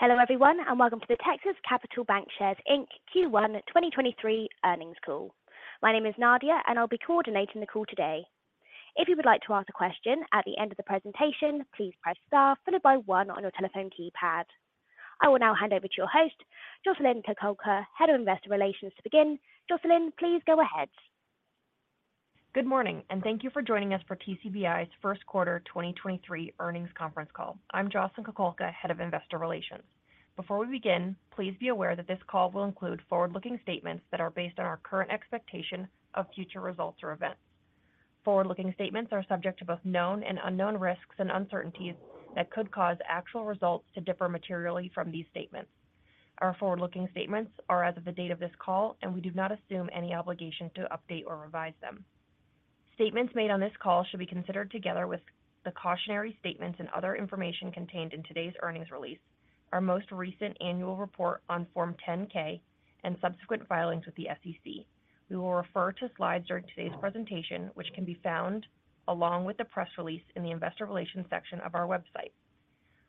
Hello everyone, and welcome to the Texas Capital Bancshares, Inc. Q1 2023 earnings call. My name is Nadia, and I'll be coordinating the call today. If you would like to ask a question at the end of the presentation, please press Star followed by one on your telephone keypad. I will now hand over to your host, Jocelyn Kukulka, Head of Investor Relations to begin. Jocelyn, please go ahead. Good morning, and thank you for joining us for TCBI's Q1 2023 earnings conference call. I'm Jocelyn Kukulka, Head of Investor Relations. Before we begin, please be aware that this call will include forward-looking statements that are based on our current expectation of future results or events. Forward-looking statements are subject to both known and unknown risks and uncertainties that could cause actual results to differ materially from these statements. Our forward-looking statements are as of the date of this call, and we do not assume any obligation to update or revise them. Statements made on this call should be considered together with the cautionary statements and other information contained in today's earnings release, our most recent annual report on Form 10-K, and subsequent filings with the SEC. We will refer to slides during today's presentation, which can be found along with the press release in the investor relations section of our website.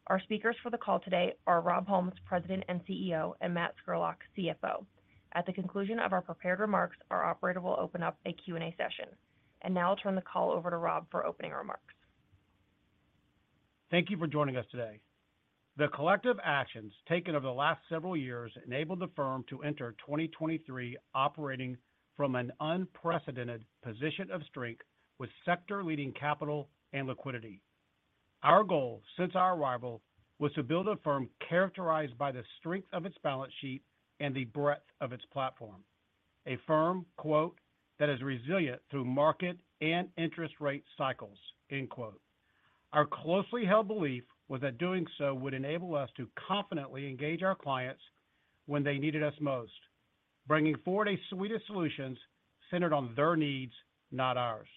Our speakers for the call today are Rob Holmes, President and CEO, and Matt Scurlock, CFO. At the conclusion of our prepared remarks, our operator will open up a Q&A session. Now I'll turn the call over to Rob for opening remarks. Thank you for joining us today. The collective actions taken over the last several years enabled the firm to enter 2023 operating from an unprecedented position of strength with sector-leading capital and liquidity. Our goal since our arrival was to build a firm characterized by the strength of its balance sheet and the breadth of its platform. A firm, "that is resilient through market and interest rate cycles." Our closely held belief was that doing so would enable us to confidently engage our clients when they needed us most, bringing forward a suite of solutions centered on their needs, not ours.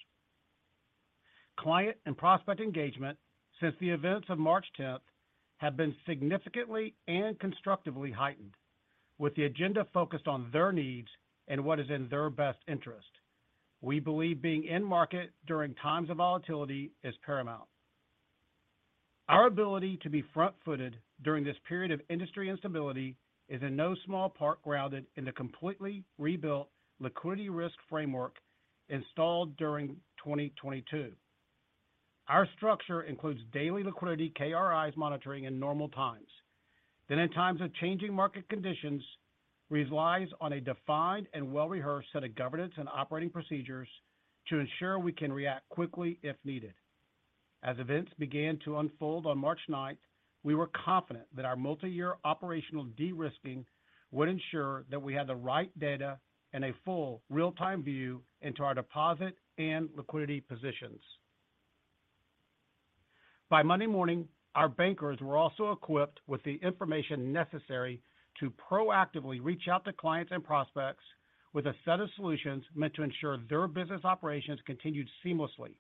Client and prospect engagement since the events of March 10th have been significantly and constructively heightened with the agenda focused on their needs and what is in their best interest. We believe being in market during times of volatility is paramount. Our ability to be front-footed during this period of industry instability is in no small part grounded in the completely rebuilt liquidity risk framework installed during 2022. Our structure includes daily liquidity KRIs monitoring in normal times. In times of changing market conditions, relies on a defined and well-rehearsed set of governance and operating procedures to ensure we can react quickly if needed. As events began to unfold on March 9th, we were confident that our multi-year operational de-risking would ensure that we had the right data and a full real-time view into our deposit and liquidity positions. By Monday morning, our bankers were also equipped with the information necessary to proactively reach out to clients and prospects with a set of solutions meant to ensure their business operations continued seamlessly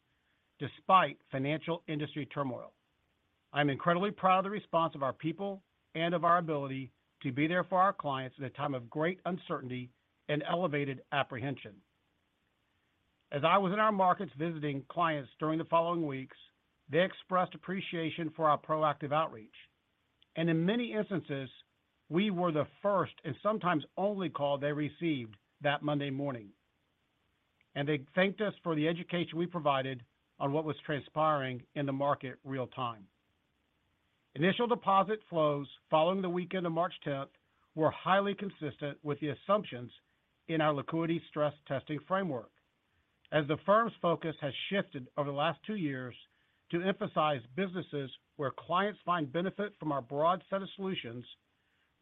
despite financial industry turmoil. I'm incredibly proud of the response of our people and of our ability to be there for our clients at a time of great uncertainty and elevated apprehension. As I was in our markets visiting clients during the following weeks, they expressed appreciation for our proactive outreach. In many instances, we were the first and sometimes only call they received that Monday morning. They thanked us for the education we provided on what was transpiring in the market real time. Initial deposit flows following the weekend of March tenth were highly consistent with the assumptions in our liquidity stress testing framework. As the firm's focus has shifted over the last two years to emphasize businesses where clients find benefit from our broad set of solutions,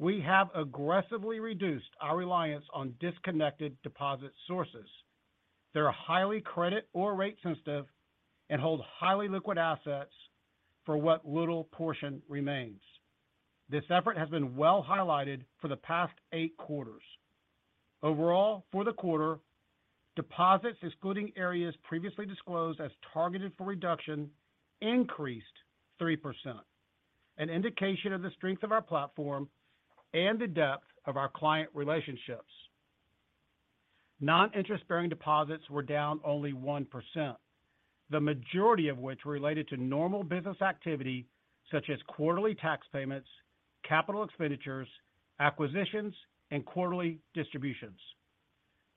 we have aggressively reduced our reliance on disconnected deposit sources. They are highly credit or rate sensitive and hold highly liquid assets for what little portion remains. This effort has been well highlighted for the past eight quarters. Overall, for the quarter, deposits excluding areas previously disclosed as targeted for reduction increased 3%, an indication of the strength of our platform and the depth of our client relationships. Non-interest-bearing deposits were down only 1%, the majority of which related to normal business activity such as quarterly tax payments, capital expenditures, acquisitions, and quarterly distributions.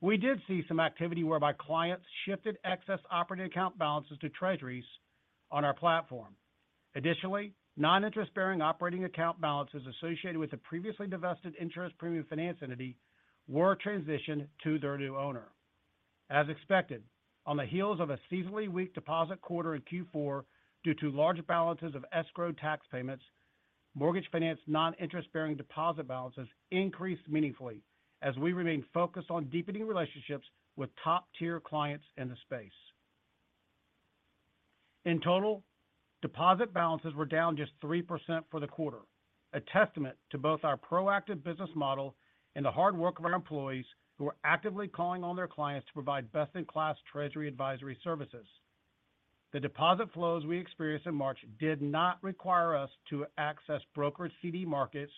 We did see some activity whereby clients shifted excess operating account balances to treasuries on our platform. Additionally, Non-interest-bearing operating account balances associated with the previously divested interest premium finance entity were transitioned to their new owner. As expected, on the heels of a seasonally weak deposit quarter in Q4 due to large balances of escrowed tax payments, mortgage finance non-interest-bearing deposit balances increased meaningfully as we remain focused on deepening relationships with top-tier clients in the space. In total, deposit balances were down just 3% for the quarter, a testament to both our proactive business model and the hard work of our employees who are actively calling on their clients to provide best-in-class treasury advisory services. The deposit flows we experienced in March did not require us to access brokered CD markets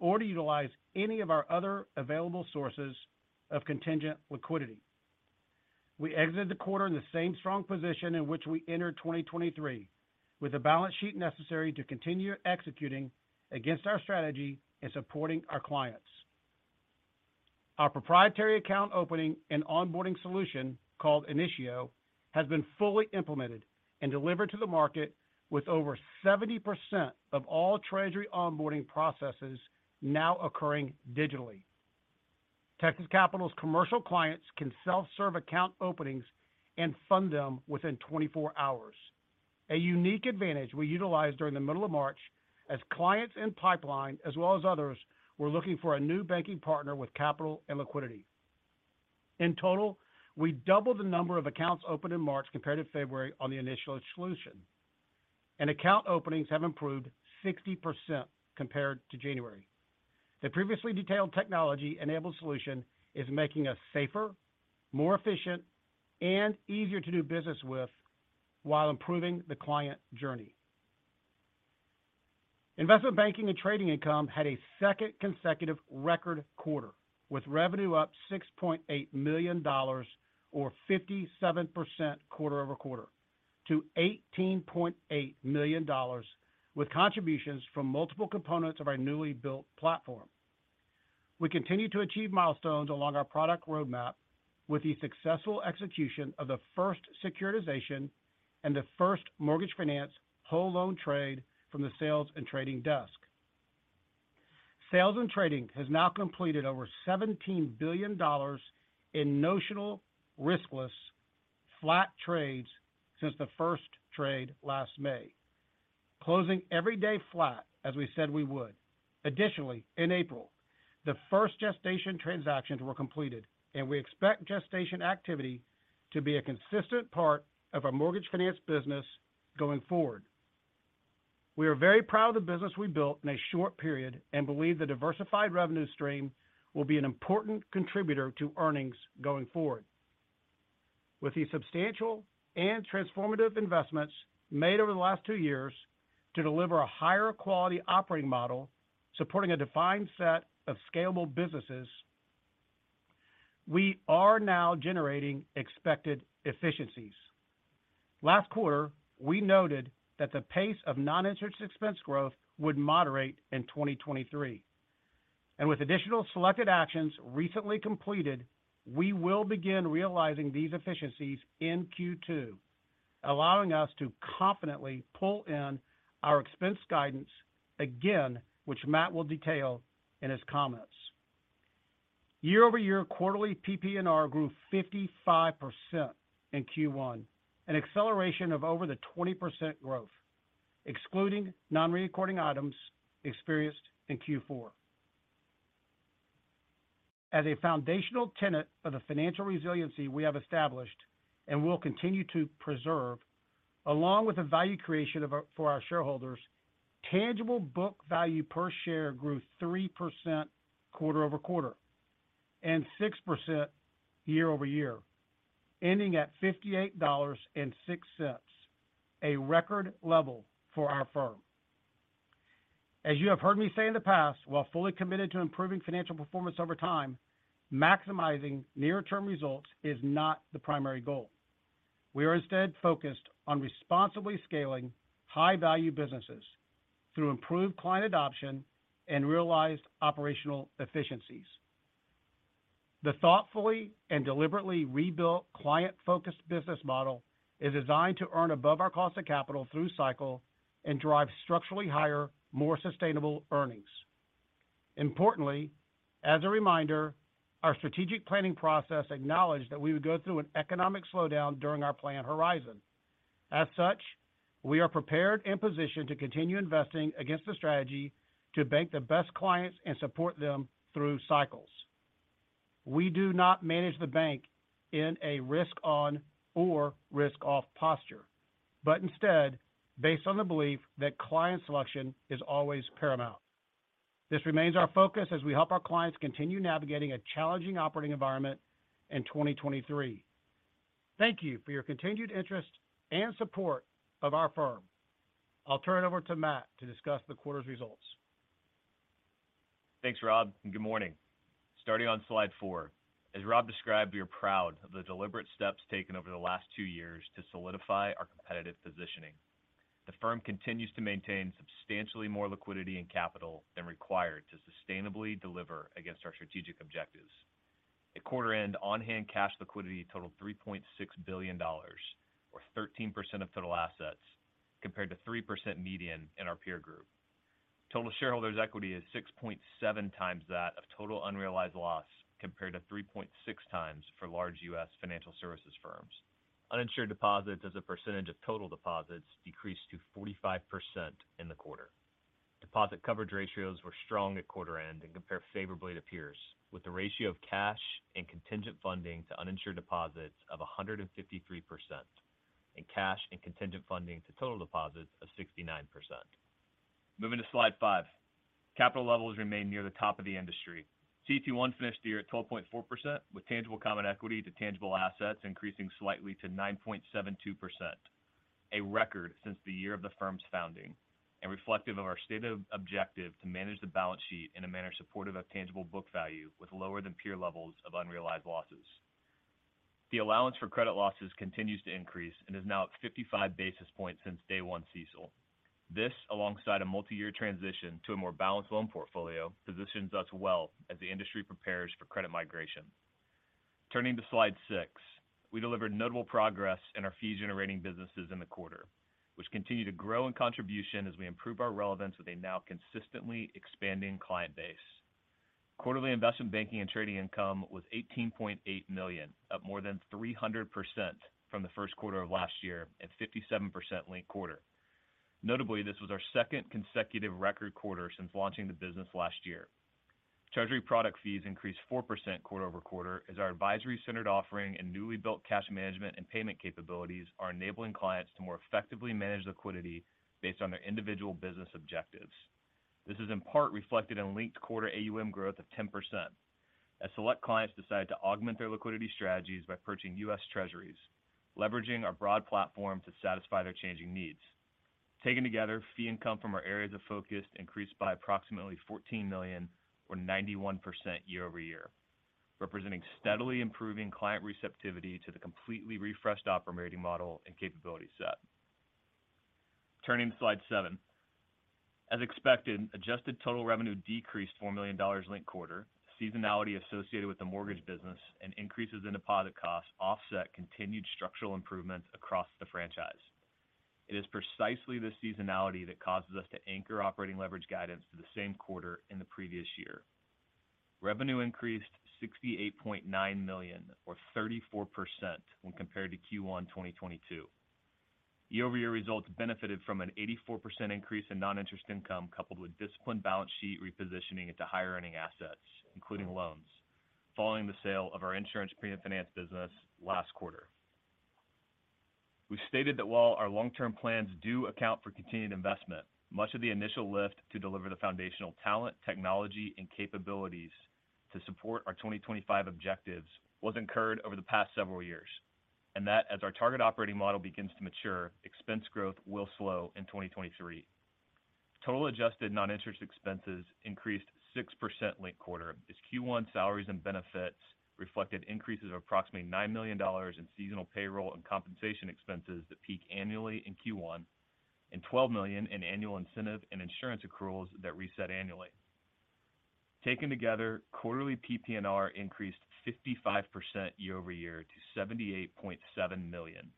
or to utilize any of our other available sources of contingent liquidity. We exited the quarter in the same strong position in which we entered 2023, with a balance sheet necessary to continue executing against our strategy and supporting our clients. Our proprietary account opening and onboarding solution, called Initio, has been fully implemented and delivered to the market, with over 70% of all treasury onboarding processes now occurring digitally. Texas Capital's commercial clients can self-serve account openings and fund them within 24 hours. A unique advantage we utilized during the middle of March as clients in pipeline as well as others were looking for a new banking partner with capital and liquidity. In total, we doubled the number of accounts opened in March compared to February on the Initio solution. Account openings have improved 60% compared to January. The previously detailed technology-enabled solution is making us safer, more efficient, and easier to do business with while improving the client journey. Investment banking and trading income had a second consecutive record quarter, with revenue up $6.8 million or 57% quarter-over-quarter to $18.8 million, with contributions from multiple components of our newly built platform. We continue to achieve milestones along our product roadmap with the successful execution of the first securitization and the first mortgage finance whole loan trade from the sales and trading desk. Sales and trading has now completed over $17 billion in notional riskless flat trades since the first trade last May. Closing every day flat, as we said we would. Additionally, in April, the first gestation transactions were completed, and we expect gestation activity to be a consistent part of our mortgage finance business going forward. We are very proud of the business we built in a short period and believe the diversified revenue stream will be an important contributor to earnings going forward. With the substantial and transformative investments made over the last two years to deliver a higher quality operating model supporting a defined set of scalable businesses, we are now generating expected efficiencies. Last quarter, we noted that the pace of non-interest expense growth would moderate in 2023. With additional selected actions recently completed, we will begin realizing these efficiencies in Q2, allowing us to confidently pull in our expense guidance again, which Matt will detail in his comments. Year-over-year quarterly PPNR grew 55% in Q1, an acceleration of over the 20% growth, excluding non-recurring items experienced in Q4. As a foundational tenet of the financial resiliency we have established and will continue to preserve, along with the value creation of our for our shareholders, tangible book value per share grew 3% quarter-over-quarter and 6% year-over-year, ending at $58.06, a record level for our firm. As you have heard me say in the past, while fully committed to improving financial performance over time, maximizing near-term results is not the primary goal. We are instead focused on responsibly scaling high-value businesses through improved client adoption and realized operational efficiencies. The thoughtfully and deliberately rebuilt client-focused business model is designed to earn above our cost of capital through cycle and drive structurally higher, more sustainable earnings. Importantly, as a reminder, our strategic planning process acknowledged that we would go through an economic slowdown during our plan horizon. As such, we are prepared and positioned to continue investing against the strategy to bank the best clients and support them through cycles. We do not manage the bank in a risk on or risk off posture, but instead based on the belief that client selection is always paramount. This remains our focus as we help our clients continue navigating a challenging operating environment in 2023. Thank you for your continued interest and support of our firm. I'll turn it over to Matt to discuss the quarter's results. Thanks, Rob. Good morning. Starting on slide four. As Rob described, we are proud of the deliberate steps taken over the last two years to solidify our competitive positioning. The firm continues to maintain substantially more liquidity and capital than required to sustainably deliver against our strategic objectives. At quarter end, on-hand cash liquidity totaled $3.6 billion or 13% of total assets compared to 3% median in our peer group. Total shareholders' equity is 6.7 times that of total unrealized loss compared to 3.6 times for large U.S. financial services firms. Uninsured deposits as a percentage of total deposits decreased to 45% in the quarter. Deposit coverage ratios were strong at quarter end and compare favorably to peers, with the ratio of cash and contingent funding to uninsured deposits of 153% and cash and contingent funding to total deposits of 69%. Moving to slide 5. Capital levels remain near the top of the industry. CET1 finished the year at 12.4%, with tangible common equity to tangible assets increasing slightly to 9.72%. A record since the year of the firm's founding and reflective of our stated objective to manage the balance sheet in a manner supportive of tangible book value with lower than peer levels of unrealized losses. The allowance for credit losses continues to increase and is now at 55 basis points since day one CECL. This, alongside a multi-year transition to a more balanced loan portfolio, positions us well as the industry prepares for credit migration. Turning to slide 6. We delivered notable progress in our fee-generating businesses in the quarter, which continue to grow in contribution as we improve our relevance with a now consistently expanding client base. Quarterly investment banking and trading income was $18.8 million, up more than 300% from the Q1 of last year at 57% linked quarter. Notably, this was our second consecutive record quarter since launching the business last year. Treasury product fees increased 4% quarter-over-quarter as our advisory-centered offering and newly built cash management and payment capabilities are enabling clients to more effectively manage liquidity based on their individual business objectives. This is in part reflected in linked quarter AUM growth of 10% as select clients decide to augment their liquidity strategies by purchasing US Treasuries, leveraging our broad platform to satisfy their changing needs. Taken together, fee income from our areas of focus increased by approximately $14 million or 91% year-over-year, representing steadily improving client receptivity to the completely refreshed operating model and capability set. Turning to Slide 7. As expected, adjusted total revenue decreased $4 million linked quarter. Seasonality associated with the mortgage business and increases in deposit costs offset continued structural improvements across the franchise. It is precisely the seasonality that causes us to anchor operating leverage guidance to the same quarter in the previous year. Revenue increased $68.9 million or 34% when compared to Q1 2022. Year-over-year results benefited from an 84% increase in non-interest income coupled with disciplined balance sheet repositioning into higher earning assets, including loans, following the sale of our insurance premium finance business last quarter. We've stated that while our long-term plans do account for continued investment, much of the initial lift to deliver the foundational talent, technology, and capabilities to support our 2025 objectives was incurred over the past several years. As our target operating model begins to mature, expense growth will slow in 2023. Total adjusted non-interest expenses increased 6% linked quarter as Q1 salaries and benefits reflected increases of approximately $9 million in seasonal payroll and compensation expenses that peak annually in Q1 and $12 million in annual incentive and insurance accruals that reset annually. Taken together, quarterly PPNR increased 55% year-over-year to $78.7 million.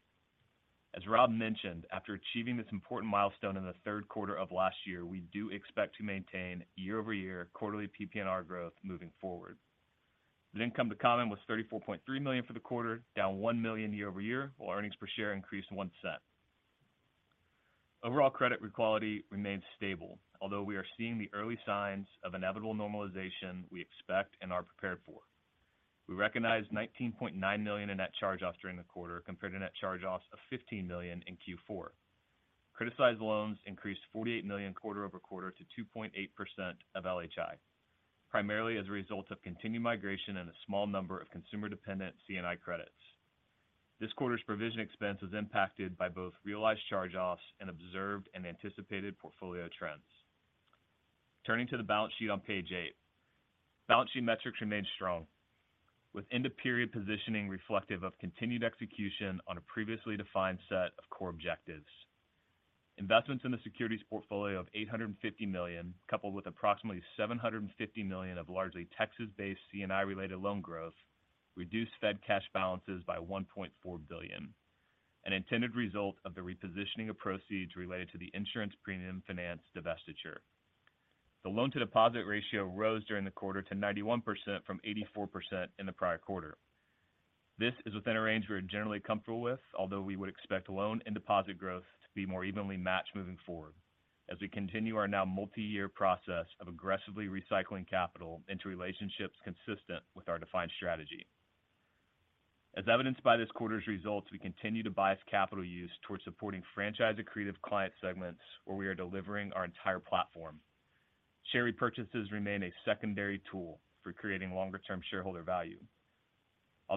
As Rob mentioned, after achieving this important milestone in the Q3 of last year, we do expect to maintain year-over-year quarterly PPNR growth moving forward. Net income to common was $34.3 million for the quarter, down $1 million year-over-year, while earnings per share increased $0.01. Overall credit quality remains stable, although we are seeing the early signs of inevitable normalization we expect and are prepared for. We recognized $19.9 million in net charge-offs during the quarter compared to net charge-offs of $15 million in Q4. Criticized loans increased $48 million quarter-over-quarter to 2.8% of LHI, primarily as a result of continued migration and a small number of consumer-dependent C&I credits. This quarter's provision expense was impacted by both realized charge-offs and observed and anticipated portfolio trends. Turning to the balance sheet on page eight. Balance sheet metrics remained strong, with end-of-period positioning reflective of continued execution on a previously defined set of core objectives. Investments in the securities portfolio of $850 million, coupled with approximately $750 million of largely Texas-based C&I related loan growth, reduced Fed cash balances by $1.4 billion, an intended result of the repositioning of proceeds related to the insurance premium finance divestiture. The loan-to-deposit ratio rose during the quarter to 91% from 84% in the prior quarter. This is within a range we are generally comfortable with, although we would expect loan and deposit growth to be more evenly matched moving forward as we continue our now multi-year process of aggressively recycling capital into relationships consistent with our defined strategy. As evidenced by this quarter's results, we continue to bias capital use towards supporting franchise-accretive client segments where we are delivering our entire platform. Share repurchases remain a secondary tool for creating longer-term shareholder value.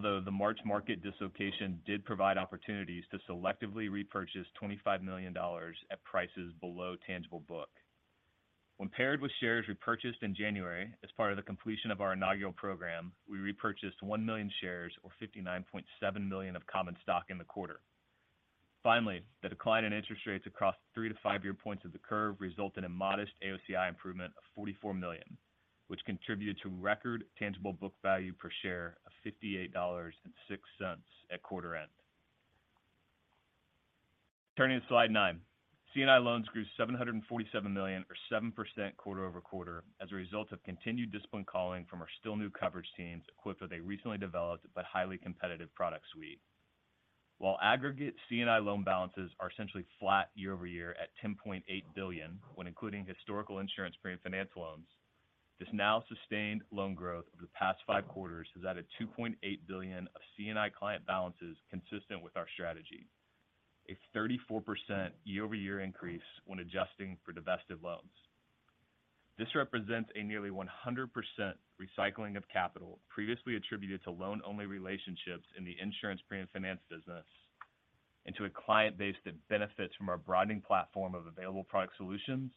The March market dislocation did provide opportunities to selectively repurchase $25 million at prices below tangible book. When paired with shares repurchased in January as part of the completion of our inaugural program, we repurchased 1 million shares or $59.7 million of common stock in the quarter. Finally, the decline in interest rates across 3-5-year points of the curve resulted in modest AOCI improvement of $44 million, which contributed to record tangible book value per share of $58.06 at quarter end. Turning to slide nine. C&I loans grew $747 million or 7% quarter-over-quarter as a result of continued disciplined calling from our still new coverage teams equipped with a recently developed but highly competitive product suite. While aggregate C&I loan balances are essentially flat year-over-year at $10.8 billion when including historical insurance premium finance loans, this now sustained loan growth over the past Q5 has added $2.8 billion of C&I client balances consistent with our strategy. A 34% year-over-year increase when adjusting for divested loans. This represents a nearly 100% recycling of capital previously attributed to loan-only relationships in the insurance premium finance business into a client base that benefits from our broadening platform of available product solutions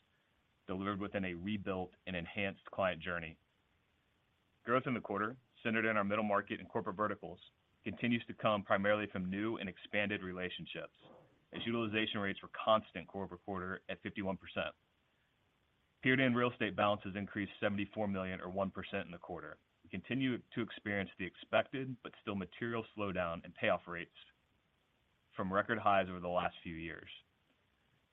delivered within a rebuilt and enhanced client journey. Growth in the quarter, centered in our middle market and corporate verticals, continues to come primarily from new and expanded relationships as utilization rates were constant quarter-over-quarter at 51%. Period-end real estate balances increased $74 million or 1% in the quarter. We continue to experience the expected but still material slowdown in payoff rates from record highs over the last few years.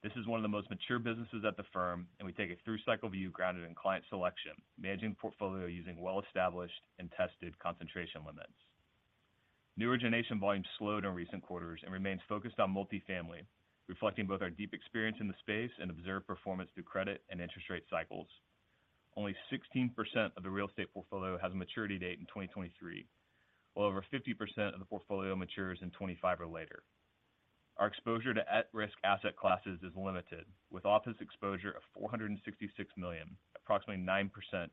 This is one of the most mature businesses at the firm, and we take a through-cycle view grounded in client selection, managing portfolio using well-established and tested concentration limits. New origination volume slowed in recent quarters and remains focused on multifamily, reflecting both our deep experience in the space and observed performance through credit and interest rate cycles. Only 16% of the real estate portfolio has a maturity date in 2023, while over 50% of the portfolio matures in 2025 or later. Our exposure to at-risk asset classes is limited, with office exposure of $466 million, approximately 9%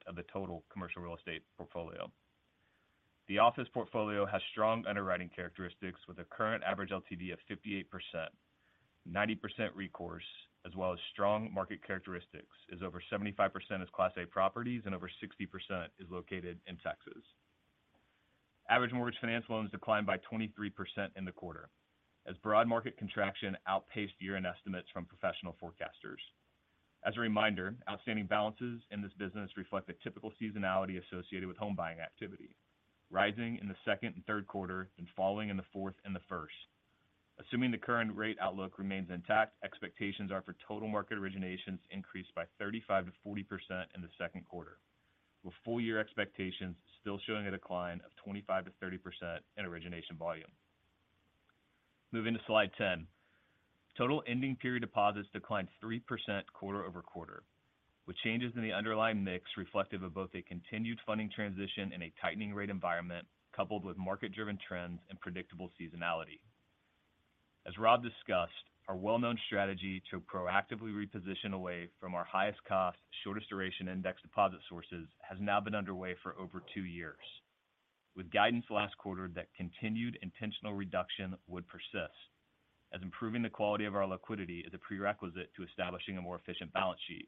of the total commercial real estate portfolio. The office portfolio has strong underwriting characteristics with a current average LTV of 58%, 90% recourse, as well as strong market characteristics, as over 75% is Class A properties and over 60% is located in Texas. Average mortgage finance loans declined by 23% in the quarter as broad market contraction outpaced year-end estimates from professional forecasters. As a reminder, outstanding balances in this business reflect the typical seasonality associated with home buying activity, rising in the second and Q3 and falling in the fourth and the first. Assuming the current rate outlook remains intact, expectations are for total market originations increase by 35%-40% in the Q2, with full year expectations still showing a decline of 25%-30% in origination volume. Moving to slide 10. Total ending period deposits declined 3% quarter-over-quarter, with changes in the underlying mix reflective of both a continued funding transition in a tightening rate environment coupled with market-driven trends and predictable seasonality. As Rob discussed, our well-known strategy to proactively reposition away from our highest cost, shortest duration index deposit sources has now been underway for over two years, with guidance last quarter that continued intentional reduction would persist as improving the quality of our liquidity is a prerequisite to establishing a more efficient balance sheet.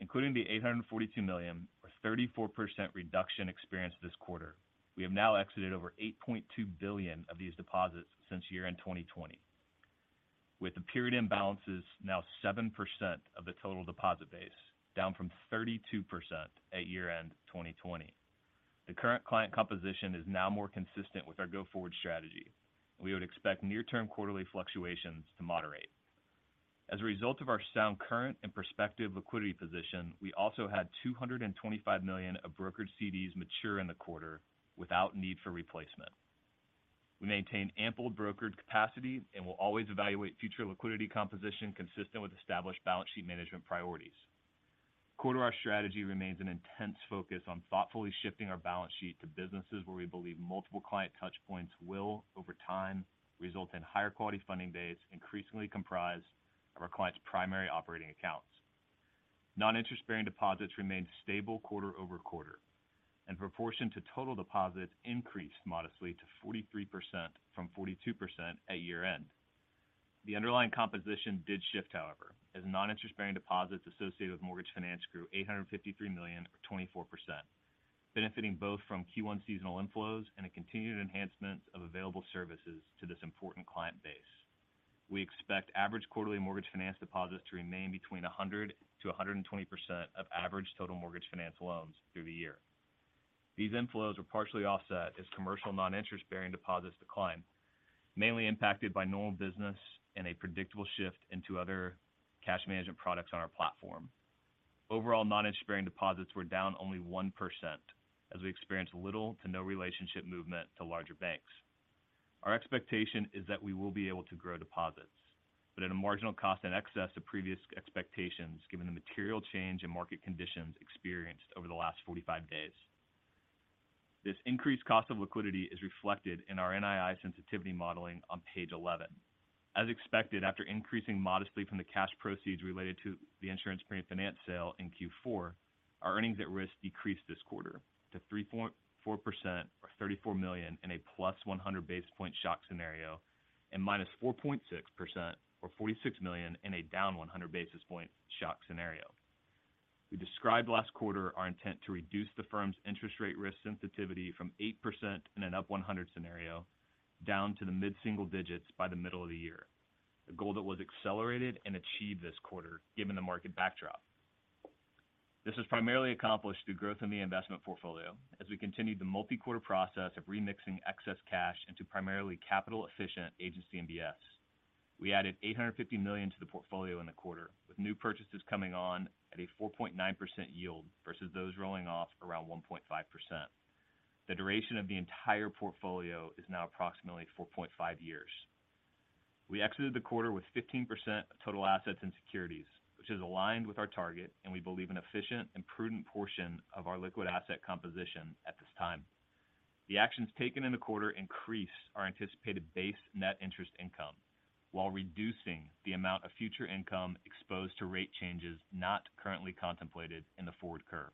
Including the $842 million or 34% reduction experienced this quarter, we have now exited over $8.2 billion of these deposits since year-end 2020, with the period-end balances now 7% of the total deposit base, down from 32% at year-end 2020. The current client composition is now more consistent with our go-forward strategy, and we would expect near-term quarterly fluctuations to moderate. As a result of our sound current and prospective liquidity position, we also had $225 million of brokered CDs mature in the quarter without need for replacement. We maintain ample brokered capacity and will always evaluate future liquidity composition consistent with established balance sheet management priorities. Core to our strategy remains an intense focus on thoughtfully shifting our balance sheet to businesses where we believe multiple client touch points will, over time, result in higher quality funding base increasingly comprised of our clients' primary operating accounts. Non-interest-bearing deposits remained stable quarter-over-quarter and proportion to total deposits increased modestly to 43% from 42% at year-end. The underlying composition did shift, however, as non-interest-bearing deposits associated with mortgage finance grew $853 million or 24%, benefiting both from Q1 seasonal inflows and a continued enhancement of available services to this important client base. We expect average quarterly mortgage finance deposits to remain between 100%-120% of average total mortgage finance loans through the year. These inflows were partially offset as commercial non-interest-bearing deposits declined, mainly impacted by normal business and a predictable shift into other cash management products on our platform. Overall, non-interest-bearing deposits were down only 1% as we experienced little to no relationship movement to larger banks. Our expectation is that we will be able to grow deposits, but at a marginal cost in excess of previous expectations given the material change in market conditions experienced over the last 45 days. This increased cost of liquidity is reflected in our NII sensitivity modeling on page 11. As expected, after increasing modestly from the cash proceeds related to the insurance premium finance sale in Q4, our earnings at risk decreased this quarter to 3.4% or $34 million in a +100 basis point shock scenario and -4.6% or $46 million in a -100 basis point shock scenario. We described last quarter our intent to reduce the firm's interest rate risk sensitivity from 8% in an up 100 scenario down to the mid-single digits by the middle of the year, a goal that was accelerated and achieved this quarter given the market backdrop. This was primarily accomplished through growth in the investment portfolio as we continued the multi-quarter process of remixing excess cash into primarily capital-efficient agency MBS. We added $850 million to the portfolio in the quarter, with new purchases coming on at a 4.9% yield versus those rolling off around 1.5%. The duration of the entire portfolio is now approximately 4.5 years. We exited the quarter with 15% of total assets in securities, which is aligned with our target and we believe an efficient and prudent portion of our liquid asset composition at this time. The actions taken in the quarter increase our anticipated base net interest income while reducing the amount of future income exposed to rate changes not currently contemplated in the forward curve.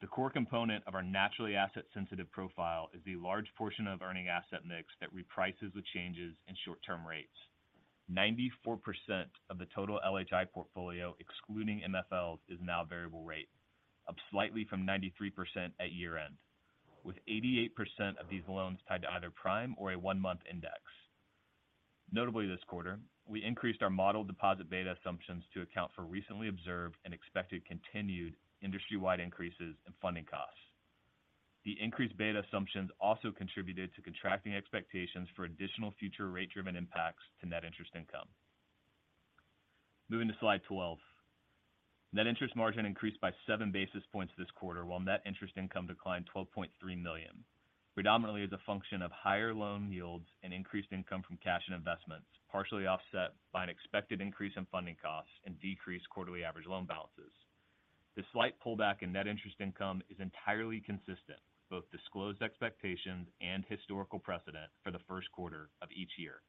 The core component of our naturally asset-sensitive profile is the large portion of earning asset mix that reprices with changes in short-term rates. 94% of the total LHI portfolio, excluding MFLs, is now variable rate, up slightly from 93% at year-end, with 88% of these loans tied to either prime or a one-month index. Notably this quarter, we increased our model deposit beta assumptions to account for recently observed and expected continued industry-wide increases in funding costs. The increased beta assumptions also contributed to contracting expectations for additional future rate-driven impacts to net interest income. Moving to slide 12. Net interest margin increased by seven basis points this quarter, while net interest income declined $12.3 million, predominantly as a function of higher loan yields and increased income from cash and investments, partially offset by an expected increase in funding costs and decreased quarterly average loan balances. The slight pullback in net interest income is entirely consistent with both disclosed expectations and historical precedent for the Q1 of each year.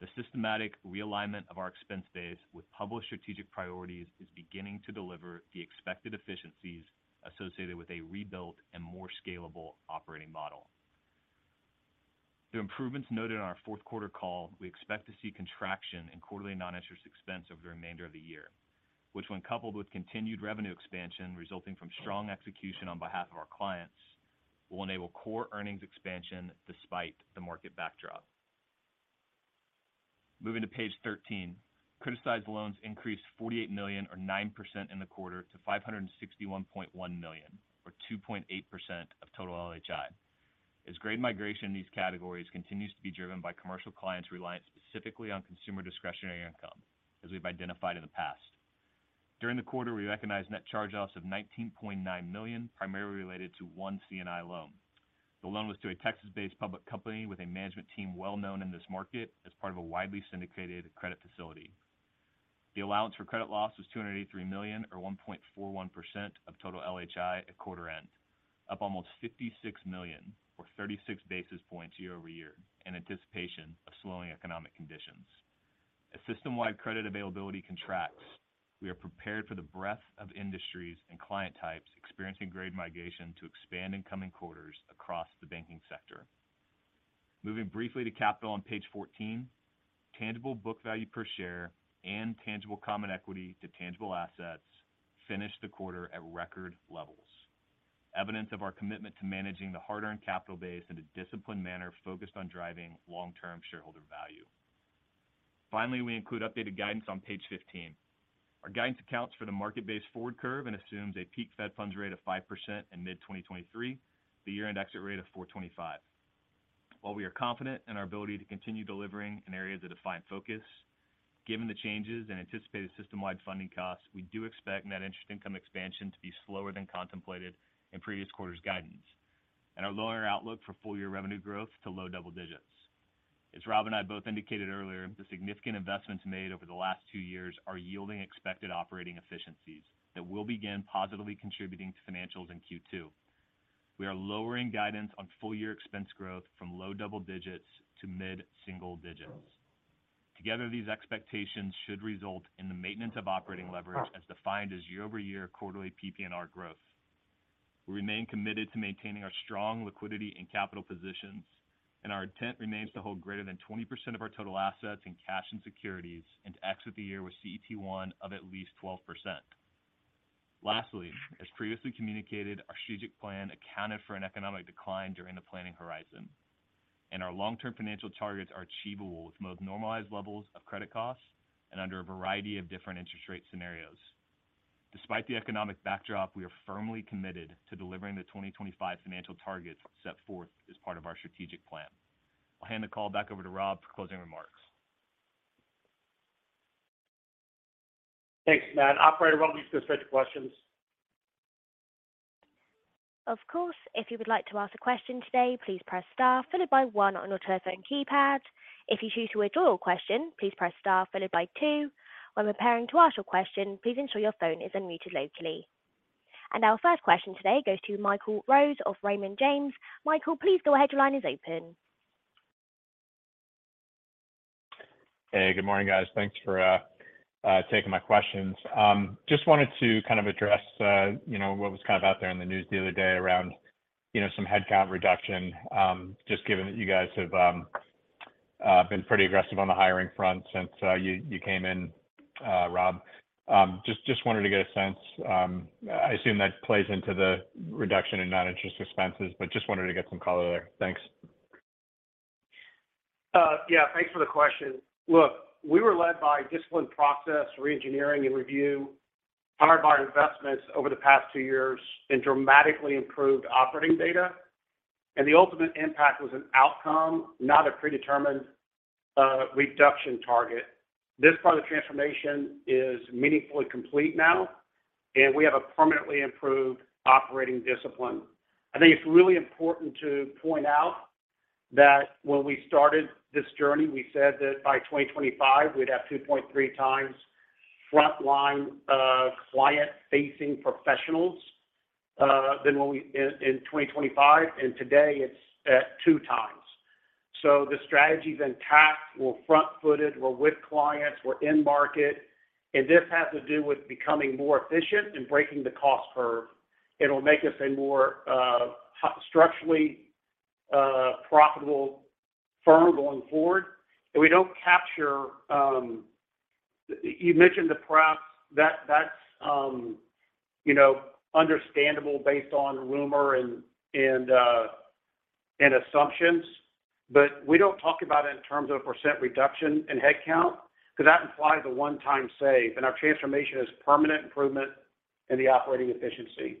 The systematic realignment of our expense base with published strategic priorities is beginning to deliver the expected efficiencies associated with a rebuilt and more scalable operating model. The improvements noted on our Q4 call, we expect to see contraction in quarterly non-interest expense over the remainder of the year, which when coupled with continued revenue expansion resulting from strong execution on behalf of our clients, will enable core earnings expansion despite the market backdrop. Moving to page 13. Criticized loans increased $48 million or 9% in the quarter to $561.1 million, or 2.8% of total LHI. As grade migration in these categories continues to be driven by commercial clients reliant specifically on consumer discretionary income, as we've identified in the past. During the quarter, we recognized net charge-offs of $19.9 million, primarily related to one C&I loan. The loan was to a Texas-based public company with a management team well-known in this market as part of a widely syndicated credit facility. The allowance for credit loss was $283 million or 1.41% of total LHI at quarter-end, up almost $56 million or 36 basis points year-over-year in anticipation of slowing economic conditions. As system-wide credit availability contracts, we are prepared for the breadth of industries and client types experiencing grade migration to expand in coming quarters across the banking sector. Moving briefly to capital on page 14. Tangible book value per share and tangible common equity to tangible assets finished the quarter at record levels. Evidence of our commitment to managing the hard-earned capital base in a disciplined manner focused on driving long-term shareholder value. Finally, we include updated guidance on page 15. Our guidance accounts for the market-based forward curve and assumes a peak Fed funds rate of 5% in mid-2023, the year-end exit rate of 4.25%. While we are confident in our ability to continue delivering in areas of defined focus, given the changes in anticipated system-wide funding costs, we do expect net interest income expansion to be slower than contemplated in previous quarters' guidance and are lowering our outlook for full-year revenue growth to low double digits. As Rob and I both indicated earlier, the significant investments made over the last two years are yielding expected operating efficiencies that will begin positively contributing to financials in Q2. We are lowering guidance on full-year expense growth from low double digits to mid-single digits. Together, these expectations should result in the maintenance of operating leverage as defined as year-over-year quarterly PPNR growth. We remain committed to maintaining our strong liquidity and capital positions, and our intent remains to hold greater than 20% of our total assets in cash and securities and to exit the year with CET1 of at least 12%. Lastly, as previously communicated, our strategic plan accounted for an economic decline during the planning horizon, and our long-term financial targets are achievable with most normalized levels of credit costs and under a variety of different interest rate scenarios. Despite the economic backdrop, we are firmly committed to delivering the 2025 financial targets set forth as part of our strategic plan. I'll hand the call back over to Rob for closing remarks. Thanks, Matt. Operator, why don't we go straight to questions? Of course. If you would like to ask a question today, please press star followed by one on your telephone keypad. If you choose to withdraw your question, please press star followed by two. When preparing to ask your question, please ensure your phone is unmuted locally. Our first question today goes to Michael Rose of Raymond James. Michael, please go ahead. Your line is open. Hey, good morning, guys. Thanks for taking my questions. Just wanted to kind of address, you know, what was kind of out there in the news the other day around, you know, some headcount reduction. Just given that you guys have been pretty aggressive on the hiring front since you came in, Rob. Just wanted to get a sense. I assume that plays into the reduction in non-interest expenses, but just wanted to get some color there. Thanks. Yeah, thanks for the question. Look, we were led by disciplined process, reengineering and review powered by our investments over the past two years in dramatically improved operating data. The ultimate impact was an outcome, not a predetermined reduction target. This part of the transformation is meaningfully complete now, and we have a permanently improved operating discipline. I think it's really important to point out that when we started this journey, we said that by 2025 we'd have 2.3 times frontline client-facing professionals than when we in 2025. Today it's at two times. The strategy's intact. We're front-footed, we're with clients, we're in market. This has to do with becoming more efficient and breaking the cost curve. It'll make us a more structurally profitable firm going forward. We don't capture, you mentioned the props. That's, you know, understandable based on rumor and assumptions. We don't talk about it in terms of a % reduction in head count because that implies a one-time save, and our transformation is permanent improvement in the operating efficiency.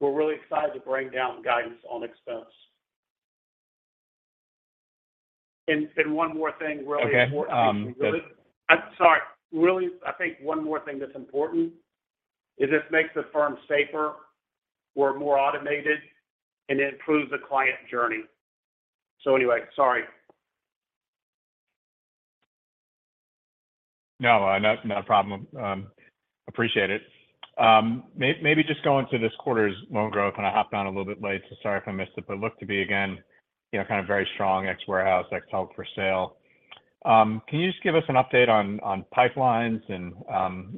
We're really excited to bring down guidance on expense. One more thing really important. Okay, um- I'm sorry. Really, I think one more thing that's important is this makes the firm safer. We're more automated, and it improves the client journey. Anyway, sorry. No, not a problem. Appreciate it. Maybe just going to this quarter's loan growth, I hopped on a little bit late, sorry if I missed it. It looked to be again, you know, kind of very strong ex warehouse, ex held for sale. Can you just give us an update on pipelines and,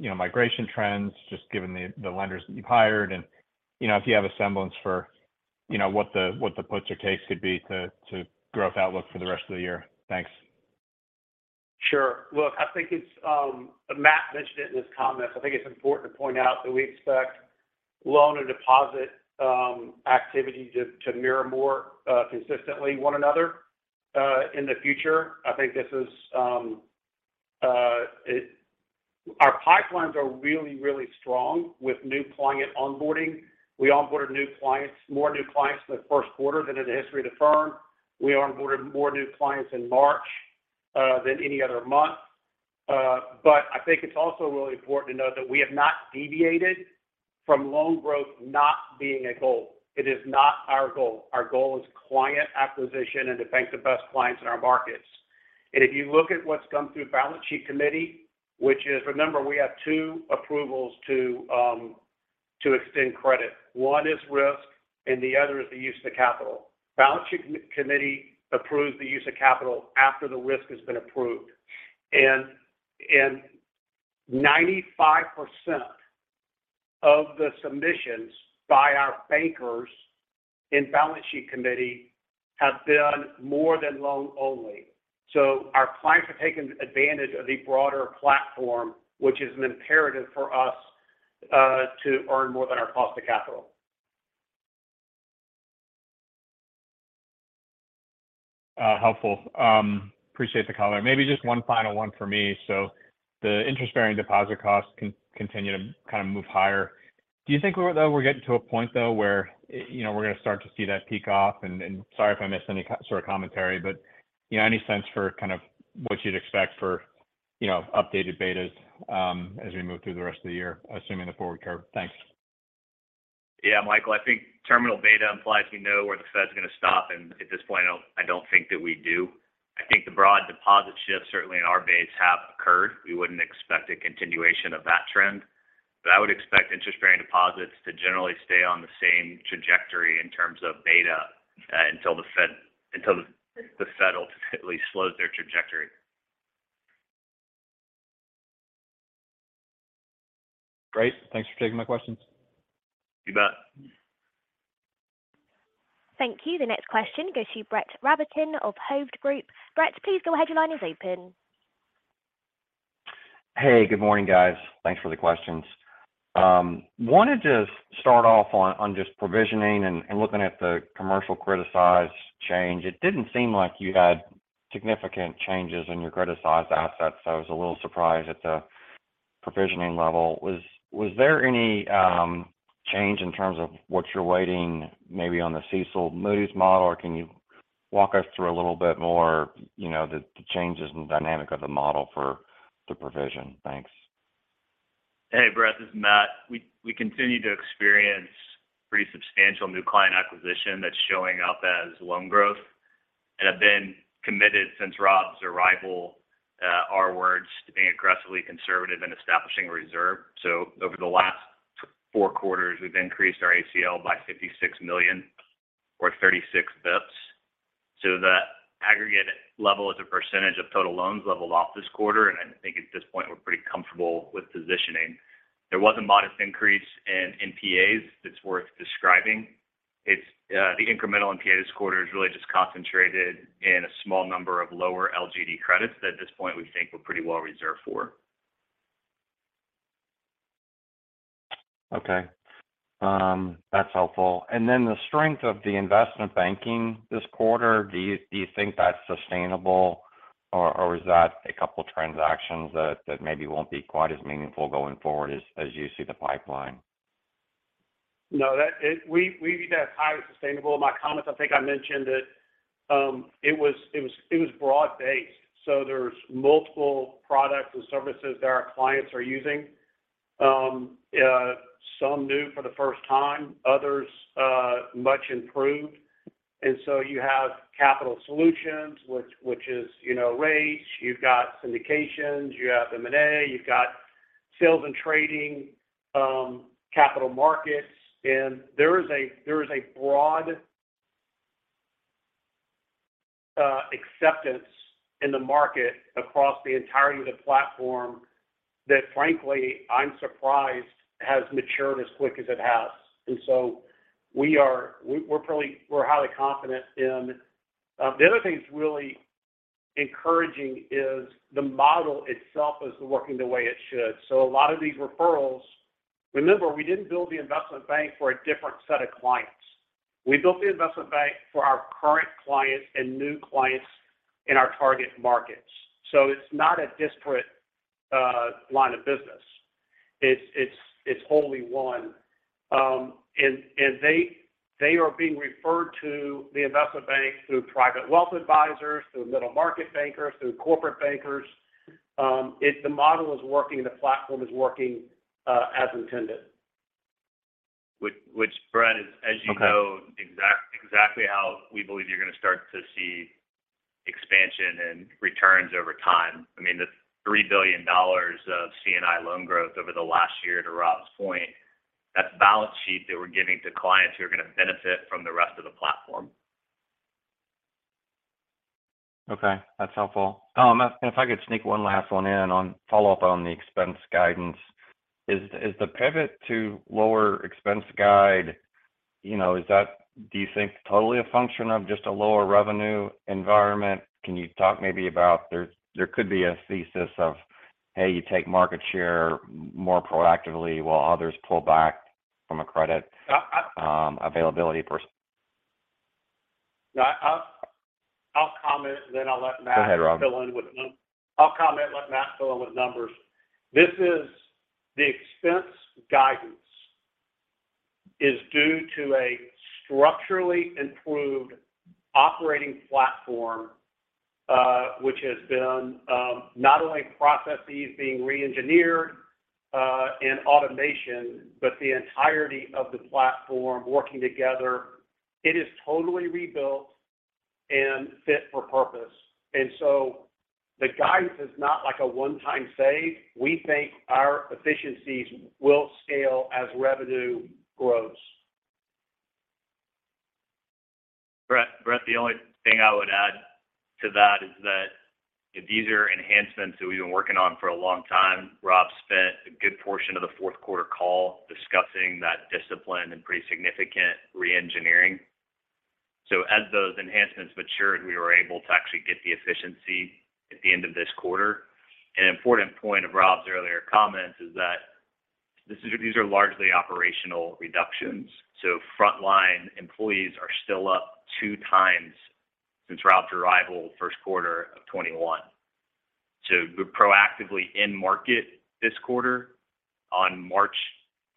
you know, migration trends, just given the lenders that you've hired and, you know, if you have a semblance for, you know, what the puts or takes could be to growth outlook for the rest of the year? Thanks. Sure. Look, I think it's, Matt Scurlock mentioned it in his comments. I think it's important to point out that we expect loan and deposit activity to mirror more consistently one another in the future. I think this is our pipelines are really, really strong with new client onboarding. We onboarded more new clients in the Q1 than in the history of the firm. We onboarded more new clients in March than any other month. But I think it's also really important to note that we have not deviated from loan growth not being a goal. It is not our goal. Our goal is client acquisition and to bank the best clients in our markets. If you look at what's come through balance sheet committee, which is, remember, we have two approvals to extend credit. One is risk, the other is the use of the capital. Balance sheet committee approves the use of capital after the risk has been approved. 95% of the submissions by our bankers in balance sheet committee have been more than loan only. Our clients are taking advantage of the broader platform, which is an imperative for us to earn more than our cost of capital. Helpful. Appreciate the color. The interest-bearing deposit costs continue to kind of move higher. Do you think we're getting to a point, though, where, you know, we're going to start to see that peak off? Sorry if I missed any sort of commentary, but, you know, any sense for kind of what you'd expect for, you know, updated betas as we move through the rest of the year, assuming the forward curve? Thanks. Yeah. Michael, I think terminal beta implies we know where the Fed's going to stop. At this point, I don't think that we do. I think the broad deposit shifts, certainly in our base, have occurred. We wouldn't expect a continuation of that trend. I would expect interest-bearing deposits to generally stay on the same trajectory in terms of beta, until the Fed ultimately slows their trajectory. Great. Thanks for taking my questions. You bet. Thank you. The next question goes to Brett Rabatin of Hovde Group. Brett, please go ahead. Your line is open. Hey, good morning, guys. Thanks for the questions. Wanted to start off on just provisioning and looking at the commercial credit size change. It didn't seem like you had significant changes in your credit size assets. I was a little surprised at the provisioning level. Was there any change in terms of what you're waiting maybe on the CECL Moody's model, or can you walk us through a little bit more, you know, the changes in the dynamic of the model for the provision? Thanks. Hey, Brett, this is Matt. We continue to experience pretty substantial new client acquisition that's showing up as loan growth and have been committed since Rob's arrival, our words to being aggressively conservative in establishing reserve. Over the last Q4, we've increased our ACL by $56 million or 36 basis points. That aggregate level as a % of total loans leveled off this quarter. I think at this point we're pretty comfortable with positioning. There was a modest increase in NPAs that's worth describing. The incremental NPA this quarter is really just concentrated in a small number of lower LGD credits that at this point we think we're pretty well reserved for. Okay. That's helpful. Then the strength of the investment banking this quarter, do you think that's sustainable, or is that a couple of transactions that maybe won't be quite as meaningful going forward as you see the pipeline? No, we view that as highly sustainable. In my comments, I think I mentioned it. It was broad-based. There's multiple products and services that our clients are using. Yeah, some new for the first time, others much improved. You have capital solutions, which is, you know, rates. You've got syndications, you have M&A, you've got sales and trading, capital markets. There is a broad acceptance in the market across the entirety of the platform that frankly, I'm surprised has matured as quick as it has. We're highly confident in... The other thing that's really encouraging is the model itself is working the way it should. A lot of these referrals, remember, we didn't build the investment bank for a different set of clients. We built the investment bank for our current clients and new clients in our target markets. It's not a disparate line of business. It's wholly one. And they are being referred to the investment bank through private wealth advisors, through middle-market bankers, through corporate bankers. The model is working, the platform is working as intended. Which Brett. Okay. As you know exactly how we believe you're going to start to see expansion and returns over time. I mean, the $3 billion of C&I loan growth over the last year, to Rob's point, that's balance sheet that we're giving to clients who are going to benefit from the rest of the platform. Okay, that's helpful. If I could sneak one last one in on follow-up on the expense guidance. Is the pivot to lower expense guide, you know, is that, do you think, totally a function of just a lower revenue environment? Can you talk maybe about there could be a thesis of, hey, you take market share more proactively while others pull back from a credit availability perspective. No, I'll comment then I'll let Matt. Go ahead, Rob. I'll comment and let Matt fill in with numbers. This is the expense guidance is due to a structurally improved operating platform, which has been not only processes being re-engineered and automation, but the entirety of the platform working together. It is totally rebuilt and fit for purpose. The guidance is not like a one-time save. We think our efficiencies will scale as revenue grows. Brett, the only thing I would add to that is that these are enhancements that we've been working on for a long time. Rob spent a good portion of the Q4 call discussing that discipline and pretty significant re-engineering. As those enhancements matured, we were able to actually get the efficiency at the end of this quarter. An important point of Rob's earlier comments is that these are largely operational reductions. Frontline employees are still up two times since Rob's arrival Q1 of 2021. We're proactively in market this quarter on March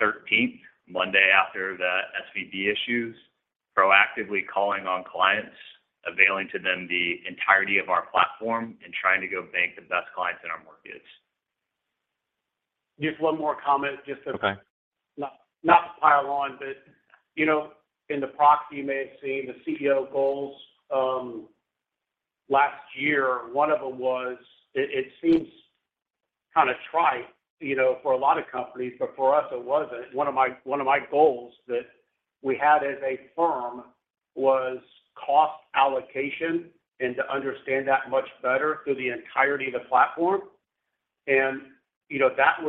13th, Monday after the SVB issues, proactively calling on clients, availing to them the entirety of our platform and trying to go bank the best clients in our markets. Just one more comment. Okay. Not to pile on, you know, in the proxy, you may have seen the CEO goals last year. One of them was, it seems kinda trite, you know, for a lot of companies, for us, it wasn't. One of my goals that we had as a firm was cost allocation and to understand that much better through the entirety of the platform. you know, that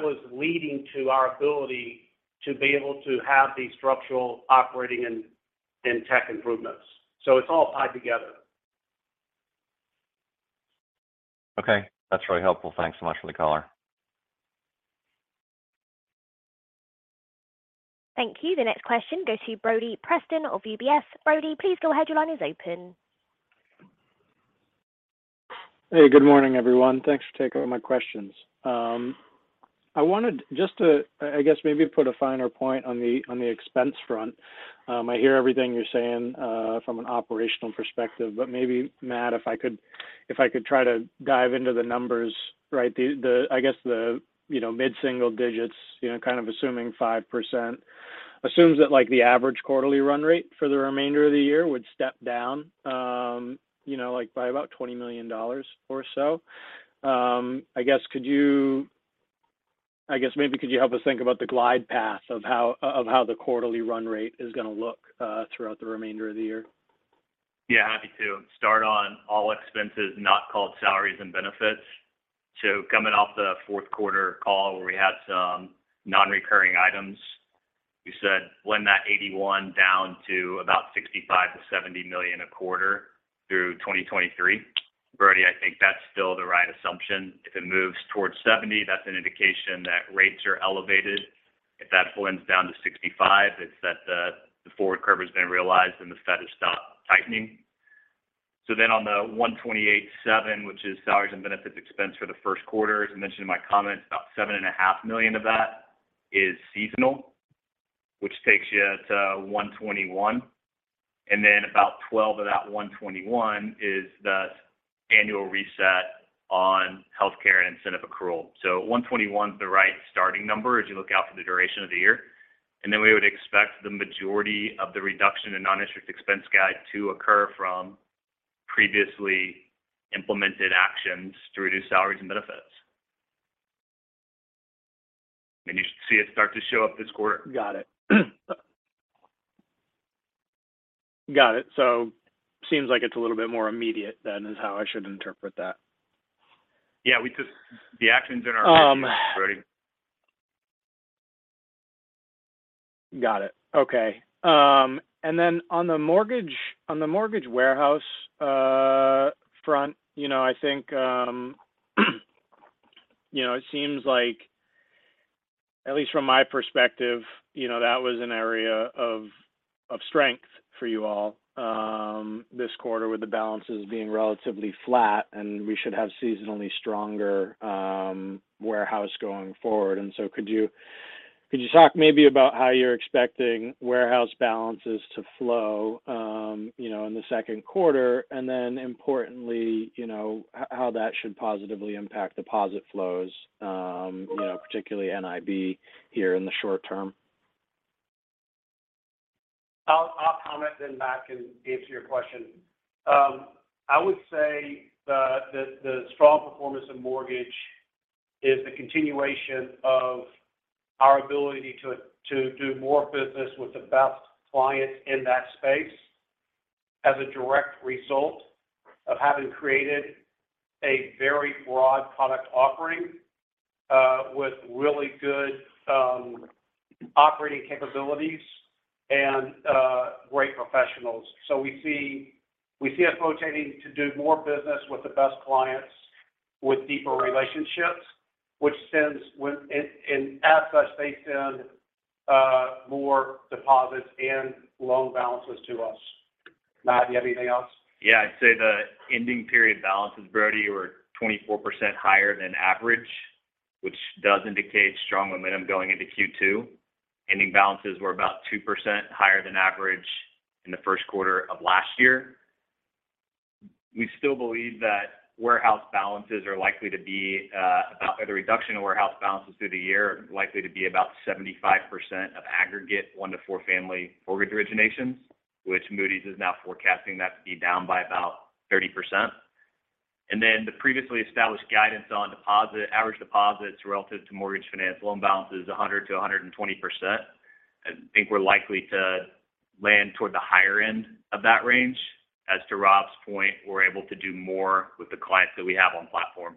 was leading to our ability to be able to have these structural operating and tech improvements. It's all tied together. Okay, that's really helpful. Thanks so much for the color. Thank you. The next question goes to Brody Preston of UBS. Brody, please go ahead. Your line is open. Hey, good morning, everyone. Thanks for taking my questions. I wanted just to, I guess, maybe put a finer point on the, on the expense front. I hear everything you're saying, from an operational perspective, but maybe Matt, if I could try to dive into the numbers, right? The, I guess the, you know, mid-single digits, you know, kind of assuming 5% assumes that like the average quarterly run rate for the remainder of the year would step down, like by about $20 million or so. I guess maybe could you help us think about the glide path of how the quarterly run rate is going to look throughout the remainder of the year? Yeah, happy to. Start on all expenses, not called salaries and benefits. Coming off the Q4 call where we had some non-recurring items, you said blend that $81 down to about $65 million-$70 million a quarter through 2023. Brody, I think that's still the right assumption. If it moves towards 70, that's an indication that rates are elevated. If that blends down to 65, it's that the forward curve has been realized and the Fed has stopped tightening. On the 128.7, which is salaries and benefits expense for the Q1, as I mentioned in my comments, about $7 and a half million of that is seasonal. Which takes you to 121. About 12 of that 121 is the annual reset on health care and incentive accrual. One twenty-one is the right starting number as you look out for the duration of the year. Then we would expect the majority of the reduction in non-interest expense guide to occur from previously implemented actions to reduce salaries and benefits. You should see it start to show up this quarter. Got it. Got it. Seems like it's a little bit more immediate than is how I should interpret that. Yeah, we took the actions. Um. -ready. Got it. Okay. On the mortgage warehouse front, you know, I think, you know, it seems like, at least from my perspective, you know, that was an area of strength for you all this quarter with the balances being relatively flat, and we should have seasonally stronger warehouse going forward. Could you talk maybe about how you're expecting warehouse balances to flow, you know, in the Q2, importantly, you know, how that should positively impact deposit flows, you know, particularly NIB here in the short term? I'll comment then Matt can answer your question. I would say the strong performance in mortgage is a continuation of our ability to do more business with the best clients in that space as a direct result of having created a very broad product offering, with really good operating capabilities and great professionals. We see us rotating to do more business with the best clients with deeper relationships, and as such, they send more deposits and loan balances to us. Matt, you have anything else? Yeah. I'd say the ending period balances, Brody, were 24% higher than average, which does indicate strong momentum going into Q2. Ending balances were about 2% higher than average in the Q1 of last year. We still believe that warehouse balances are likely to be or the reduction of warehouse balances through the year are likely to be about 75% of aggregate 1-4 family mortgage originations, which Moody's is now forecasting that to be down by about 30%. The previously established guidance on average deposits relative to mortgage finance loan balance is 100%-120%. I think we're likely to land toward the higher end of that range. As to Rob's point, we're able to do more with the clients that we have on platform.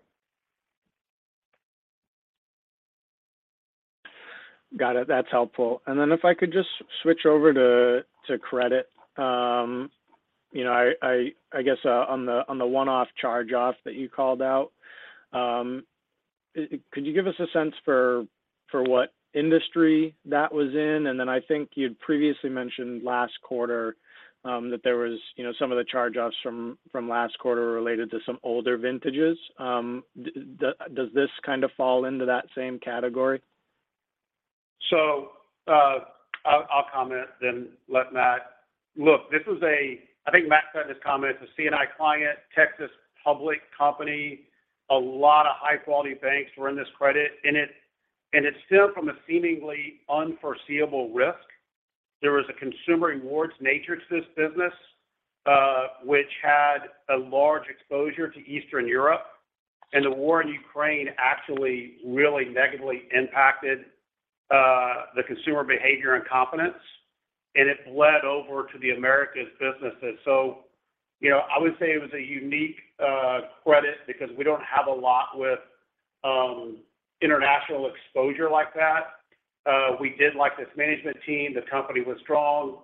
Got it. That's helpful. Then if I could just switch over to credit. You know, I guess on the one-off charge-off that you called out, could you give us a sense for what industry that was in? Then I think you'd previously mentioned last quarter, that there was, you know, some of the charge-offs from last quarter related to some older vintages. Does this kind of fall into that same category? I'll comment. Look, this is I think Matt said in his comment, it's a C&I client, Texas Public company. A lot of high-quality banks were in this credit, and it's still from a seemingly unforeseeable risk. There was a consumer rewards nature to this business, which had a large exposure to Eastern Europe. The war in Ukraine actually really negatively impacted the consumer behavior and confidence, and it bled over to the Americas businesses. You know, I would say it was a unique credit because we don't have a lot with international exposure like that. We did like this management team. The company was strong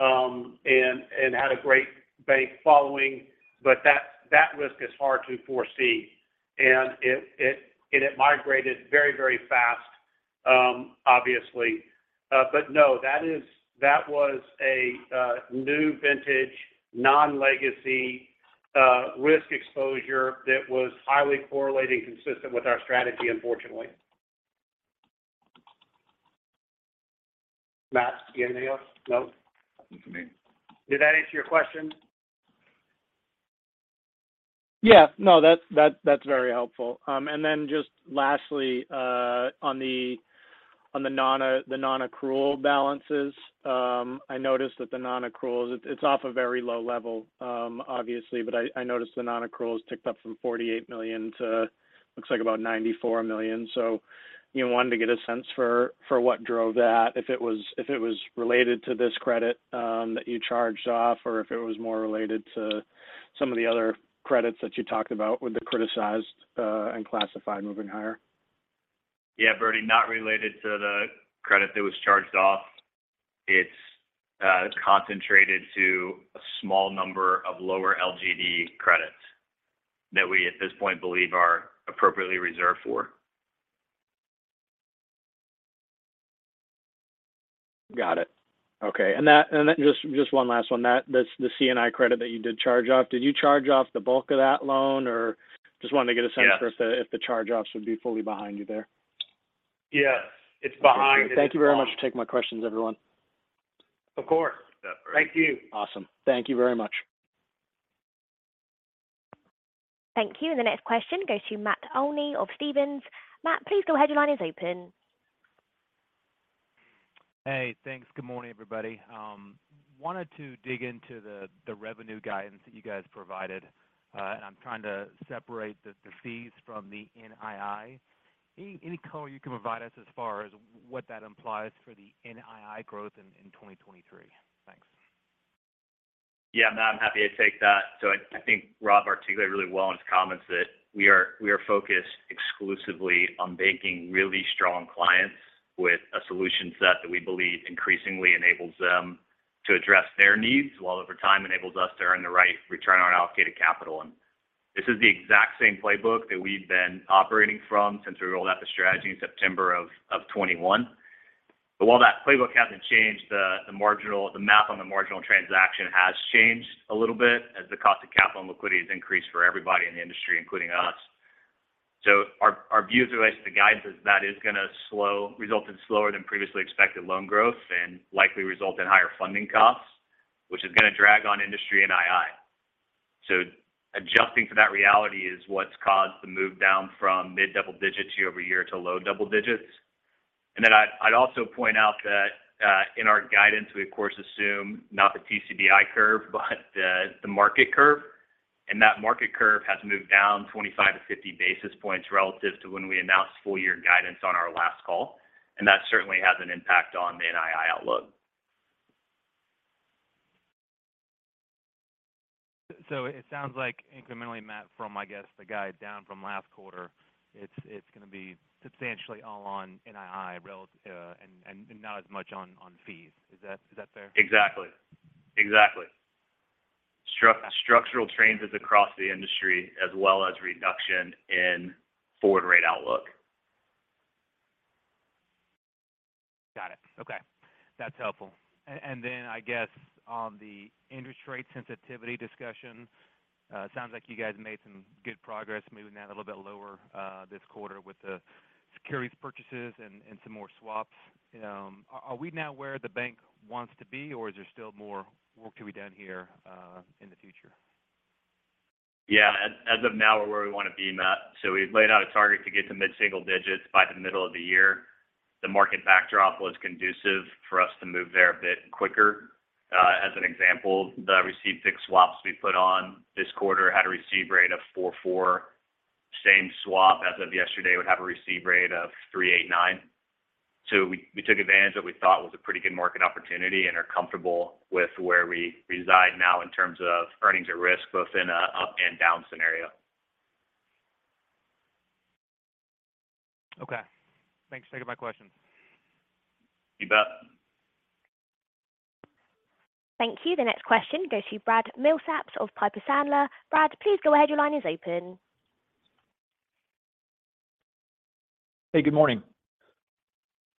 and had a great bank following, but that risk is hard to foresee. It migrated very, very fast, obviously. No, that was a new vintage non-legacy risk exposure that was highly correlated and consistent with our strategy, unfortunately. Matt, you have anything else? No. Nothing for me. Did that answer your question? Yeah. No, that's very helpful. Then just lastly, on the non-accrual balances, I noticed that the non-accruals, it's off a very low level, obviously, but I noticed the non-accruals ticked up from $48 million to looks like about $94 million. You know, wanted to get a sense for what drove that, if it was related to this credit that you charged off or if it was more related to some of the other credits that you talked about with the criticized and classified moving higher. Yeah, Brody, not related to the credit that was charged off. It's concentrated to a small number of lower LGD credits that we, at this point, believe are appropriately reserved for. Got it. Okay. That just one last one. The C&I credit that you did charge off, did you charge off the bulk of that loan or just wanted to get a sense? Yes. If the charge offs would be fully behind you there. Yes. It's behind. Thank you very much for taking my questions, everyone. Of course. Yeah. Thank you. Awesome. Thank you very much. Thank you. The next question goes to Matt Olney of Stephens. Matt, please go ahead. Your line is open. Hey, thanks. Good morning, everybody. Wanted to dig into the revenue guidance that you guys provided. I'm trying to separate the fees from the NII. Any color you can provide us as far as what that implies for the NII growth in 2023? Thanks. Yeah, Matt, I'm happy to take that. I think Rob articulated really well in his comments that we are focused exclusively on banking really strong clients with a solution set that we believe increasingly enables them to address their needs while over time enables us to earn the right return on allocated capital. This is the exact same playbook that we've been operating from since we rolled out the strategy in September of 2021. While that playbook hasn't changed, the math on the marginal transaction has changed a little bit as the cost of capital and liquidity has increased for everybody in the industry, including us. Our view as it relates to the guidance is that is going to result in slower than previously expected loan growth and likely result in higher funding costs, which is going to drag on industry NII. Adjusting to that reality is what's caused the move down from mid double digits year-over-year to low double digits. I'd also point out that in our guidance, we of course assume not the TCBI curve, but the market curve. That market curve has moved down 25 to 50 basis points relative to when we announced full year guidance on our last call. That certainly has an impact on the NII outlook. It sounds like incrementally, Matt, from, I guess, the guide down from last quarter, it's going to be substantially all on NII relative, and not as much on fees. Is that fair? Exactly. Structural changes across the industry as well as reduction in forward rate outlook. Got it. Okay. That's helpful. Then I guess on the interest rate sensitivity discussion, sounds like you guys made some good progress moving that a little bit lower, this quarter with the securities purchases and some more swaps. Are we now where the bank wants to be or is there still more work to be done here, in the future? Yeah. As of now, we're where we want to be, Matt. We've laid out a target to get to mid single digits by the middle of the year. The market backdrop was conducive for us to move there a bit quicker. As an example, the received fixed swaps we put on this quarter had a receive rate of 4.4. Same swap as of yesterday would have a receive rate of 3.89. We took advantage of what we thought was a pretty good market opportunity and are comfortable with where we reside now in terms of earnings at risk, both in a up and down scenario. Okay. Thanks. Take my questions. You bet. Thank you. The next question goes to Brad Milsaps of Piper Sandler. Brad, please go ahead. Your line is open. Hey, good morning.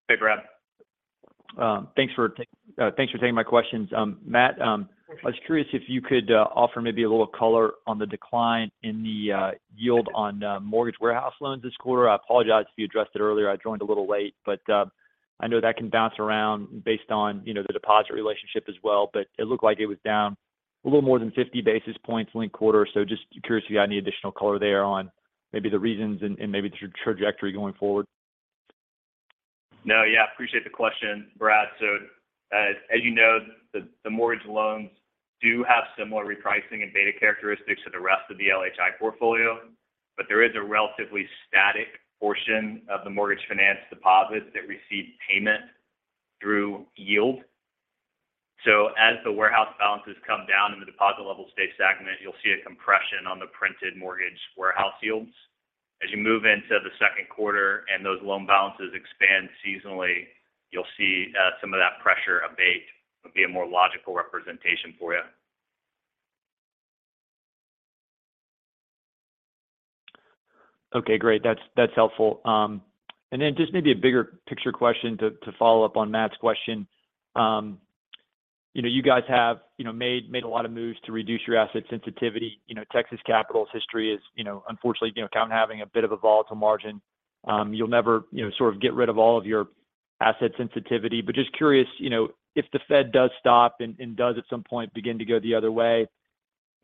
Hey, Brad. Thanks for taking my questions. Matt, I was curious if you could offer maybe a little color on the decline in the yield on mortgage warehouse loans this quarter. I apologize if you addressed it earlier. I joined a little late. I know that can bounce around based on, you know, the deposit relationship as well, but it looked like it was down a little more than 50 basis points linked quarter. Just curious if you had any additional color there on maybe the reasons and maybe the trajectory going forward. Yeah, appreciate the question, Brad. As you know, the mortgage loans do have similar repricing and beta characteristics to the rest of the LHI portfolio. There is a relatively static portion of the mortgage finance deposits that receive payment through yield. As the warehouse balances come down and the deposit levels stay stagnant, you'll see a compression on the printed mortgage warehouse yields. As you move into the Q2 and those loan balances expand seasonally, you'll see some of that pressure abate. It'll be a more logical representation for you. Okay, great. That's helpful. Just maybe a bigger picture question to follow up on Matt's question. You know, you guys have, you know, made a lot of moves to reduce your asset sensitivity. You know, Texas Capital's history is, you know, unfortunately, you know, count having a bit of a volatile margin. You'll never, you know, sort of get rid of all of your asset sensitivity. Just curious, you know, if the Fed does stop and does at some point begin to go the other way,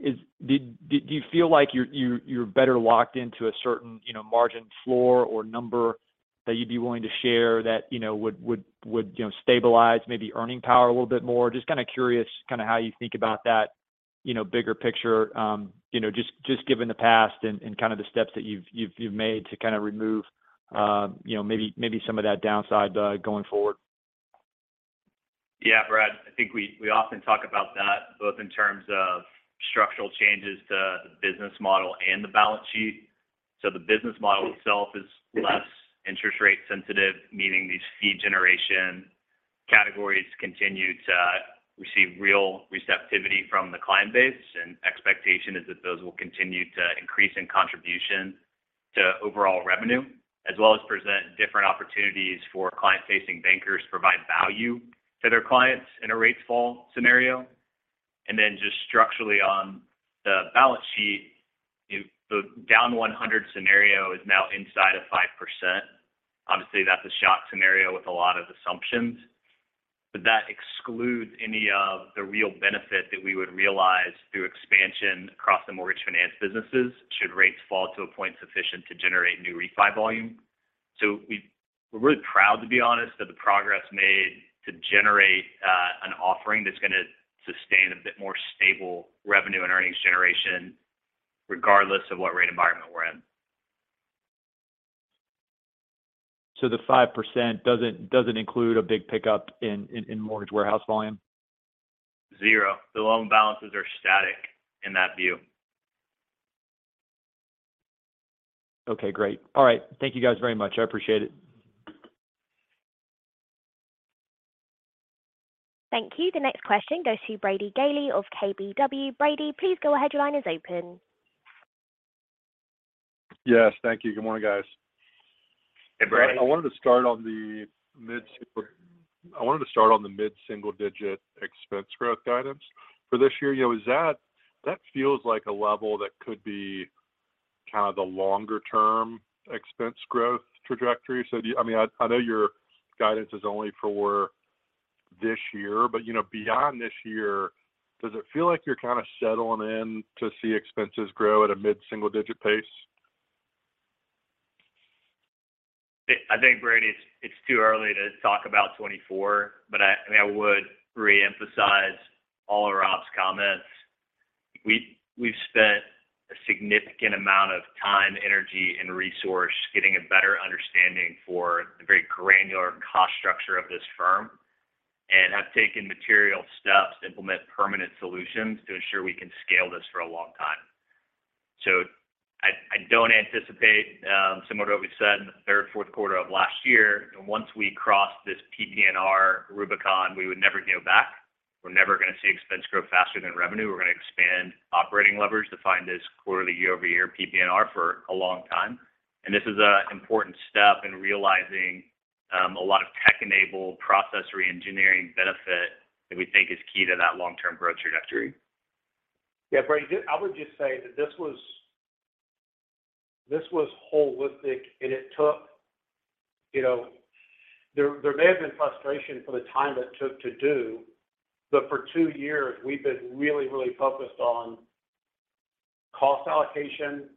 do you feel like you're better locked into a certain, you know, margin floor or number that you'd be willing to share that, you know, would, you know, stabilize maybe earning power a little bit more? Just kind of curious how you think about that, you know, bigger picture? You know, just given the past and kind of the steps that you've made to kind of remove, you know, maybe some of that downside going forward? Brad, I think we often talk about that both in terms of structural changes to the business model and the balance sheet. The business model itself is less interest rate sensitive, meaning these fee generation categories continue toWe see real receptivity from the client base, and expectation is that those will continue to increase in contribution to overall revenue, as well as present different opportunities for client-facing bankers provide value to their clients in a rates fall scenario. Then just structurally on the balance sheet, you know, the down 100 scenario is now inside of 5%. Obviously, that's a shock scenario with a lot of assumptions, but that excludes any of the real benefit that we would realize through expansion across the mortgage finance businesses should rates fall to a point sufficient to generate new refi volume. We're really proud to be honest that the progress made to generate an offering that's going to sustain a bit more stable revenue and earnings generation regardless of what rate environment we're in. The 5% doesn't include a big pickup in mortgage warehouse volume? Zero. The loan balances are static in that view. Okay, great. All right. Thank you guys very much. I appreciate it. Thank you. The next question goes to Brady Gailey of KBW. Brady, please go ahead. Your line is open. Yes, thank you. Good morning, guys. Hey, Brady. I wanted to start on the mid-single-digit expense growth guidance for this year. Is that feels like a level that could be the longer-term expense growth trajectory? I mean, I know your guidance is only for this year, but, you know, beyond this year, does it feel like you're kind of settling in to see expenses grow at a mid-single-digit pace? I think, Brady, it's too early to talk about 2024, but I mean, I would reemphasize all of Rob's comments. We've spent a significant amount of time, energy, and resource getting a better understanding for the very granular cost structure of this firm and have taken material steps to implement permanent solutions to ensure we can scale this for a long time. I don't anticipate, similar to what we said in the Q3/Q4 of last year, and once we cross this PPNR Rubicon, we would never go back. We're never going to see expense grow faster than revenue. We're going to expand operating leverage to find this quarter year-over-year PPNR for a long time. This is an important step in realizing a lot of tech-enabled process reengineering benefit that we think is key to that long-term growth trajectory. Yeah, Brady. I would just say that this was holistic, and it took, you know. There may have been frustration for the time that it took to do, but for two years, we've been really, really focused on cost allocation,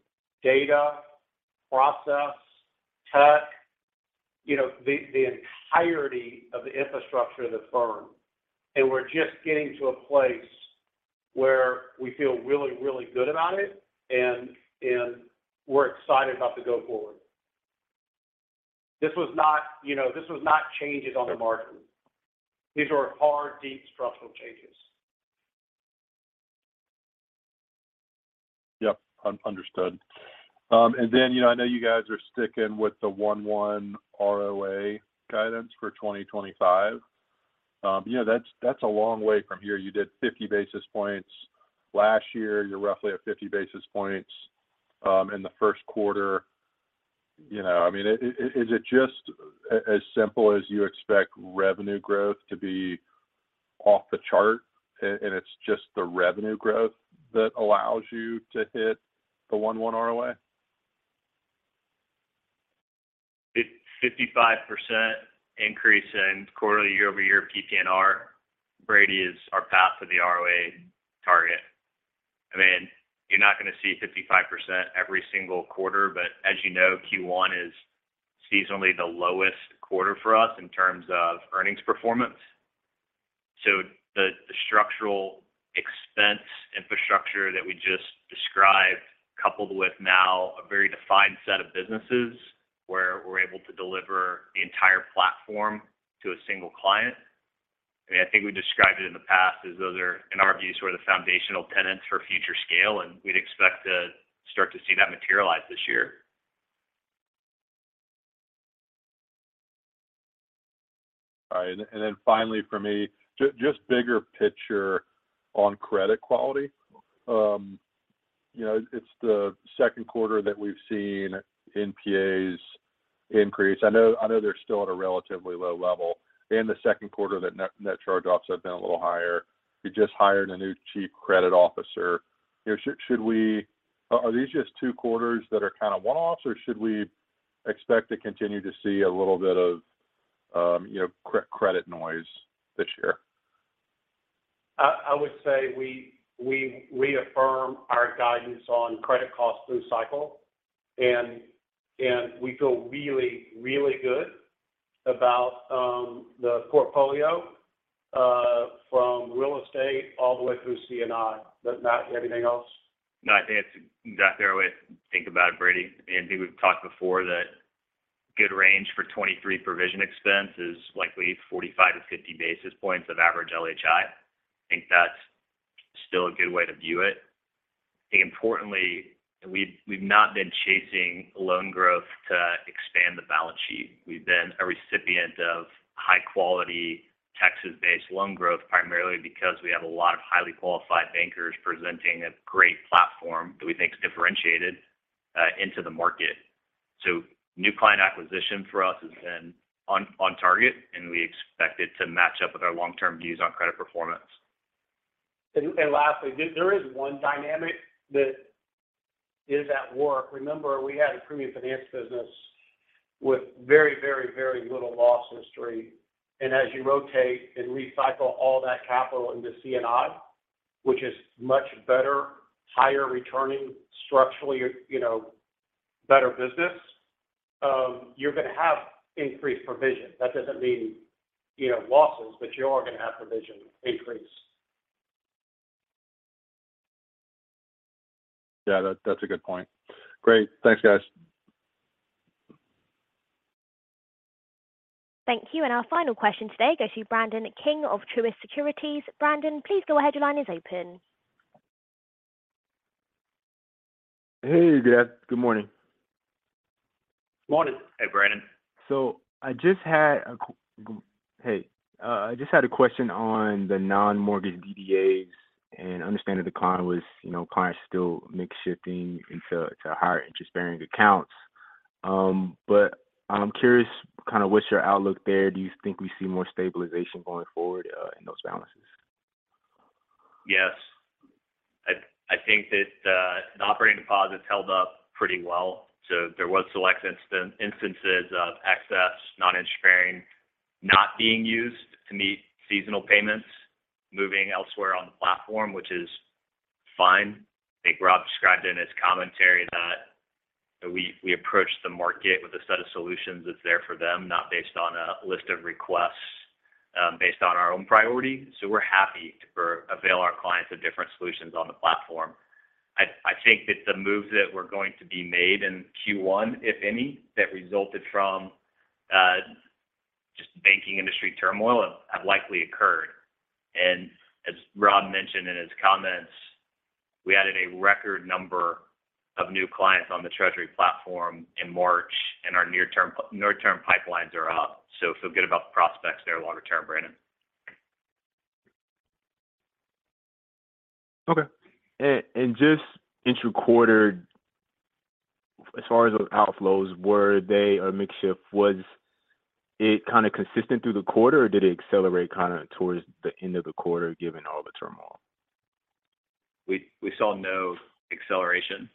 data, process, tech, you know, the entirety of the infrastructure of the firm. We're just getting to a place where we feel really, really good about it and we're excited about the go-forward. This was not, you know, this was not changes on the margin. These were hard, deep structural changes. Yep, understood. You know, I know you guys are sticking with the 1.1 ROA guidance for 2025. You know, that's a long way from here. You did 50 basis points last year. You're roughly at 50 basis points in the Q1. You know, I mean, is it just as simple as you expect revenue growth to be off the chart and it's just the revenue growth that allows you to hit the 1.1 ROA? 55% increase in quarterly year-over-year PPNR, Brady, is our path for the ROA target. I mean, you're not going to see 55% every single quarter, but as you know, Q1 is seasonally the lowest quarter for us in terms of earnings performance. The structural expense infrastructure that we just described, coupled with now a very defined set of businesses where we're able to deliver the entire platform to a single client. I mean, I think we described it in the past as those are, in our view, sort of the foundational tenants for future scale, and we'd expect to start to see that materialize this year. All right. Finally for me, just bigger picture on credit quality. you know, it's the Q2 that we've seen NPAs increase. I know they're still at a relatively low level. In the Q2, the net charge-offs have been a little higher. You just hired a new chief credit officer. You know, are these just two quarters that are kind of one-offs, or should we expect to continue to see a little bit of, you know, credit noise this year? I would say we reaffirm our guidance on credit costs through cycle, and we feel really, really good about the portfolio from real estate all the way through C&I. Does Matt have anything else? No, I think that's exactly the way to think about it, Brady. I think we've talked before that good range for 23 provision expense is likely 45-50 basis points of average LHI. I think that's still a good way to view it. Importantly, we've not been chasing loan growth to expand the balance sheet. We've been a recipient of high-quality, Texas-based loan growth primarily because we have a lot of highly qualified bankers presenting a great platform that we think is differentiated into the market. New client acquisition for us has been on target, and we expect it to match up with our long-term views on credit performance. Lastly, there is one dynamic that is at work. Remember, we had a premium finance business with very little loss history. As you rotate and recycle all that capital into C&I, which is much better, higher returning structurally, you know, better business, you're gonna have increased provision. That doesn't mean, you know, losses, but you are gonna have provision increase. Yeah, that's a good point. Great. Thanks, guys. Thank you. Our final question today goes to Brandon King of Truist Securities. Brandon, please go ahead. Your line is open. Hey there. Good morning. Morning. Hey, Brandon. Hey. I just had a question on the non-mortgage BDAs, and understanding the client was, you know, clients still mix shifting into higher interest-bearing accounts. I'm curious kinda what's your outlook there. Do you think we see more stabilization going forward, in those balances? Yes. I think that operating deposits held up pretty well. There was select instances of excess non-interest bearing not being used to meet seasonal payments moving elsewhere on the platform, which is fine. I think Rob described in his commentary that we approach the market with a set of solutions that's there for them, not based on a list of requests, based on our own priority. We're happy to avail our clients of different solutions on the platform. I think that the moves that were going to be made in Q1, if any, that resulted from just banking industry turmoil have likely occurred. As Rob mentioned in his comments, we added a record number of new clients on the treasury platform in March, and our near-term pipelines are up. Feel good about the prospects there longer term, Brandon. Okay. And just intra-quarter, as far as those outflows, were they a mix shift? Was it kind of consistent through the quarter, or did it accelerate kind of towards the end of the quarter given all the turmoil? We saw no acceleration.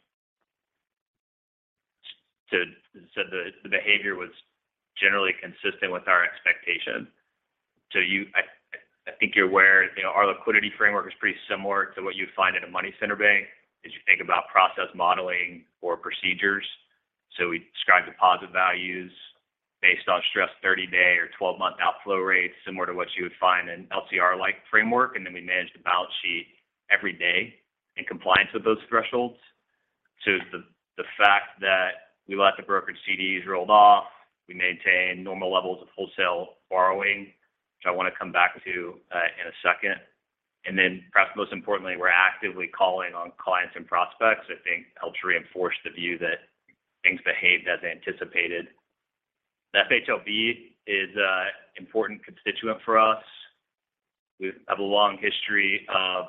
The behavior was generally consistent with our expectation. I think you're aware, you know, our liquidity framework is pretty similar to what you'd find in a money center bank as you think about process modeling or procedures. We describe deposit values based on stressed 30-day or 12-month outflow rates, similar to what you would find in LCR-like framework, and then we manage the balance sheet every day in compliance with those thresholds. The fact that we let the brokered CDs rolled off, we maintain normal levels of wholesale borrowing, which I want to come back to in a second. Perhaps most importantly, we're actively calling on clients and prospects. I think it helps reinforce the view that things behaved as anticipated. FHLB is a important constituent for us. We have a long history of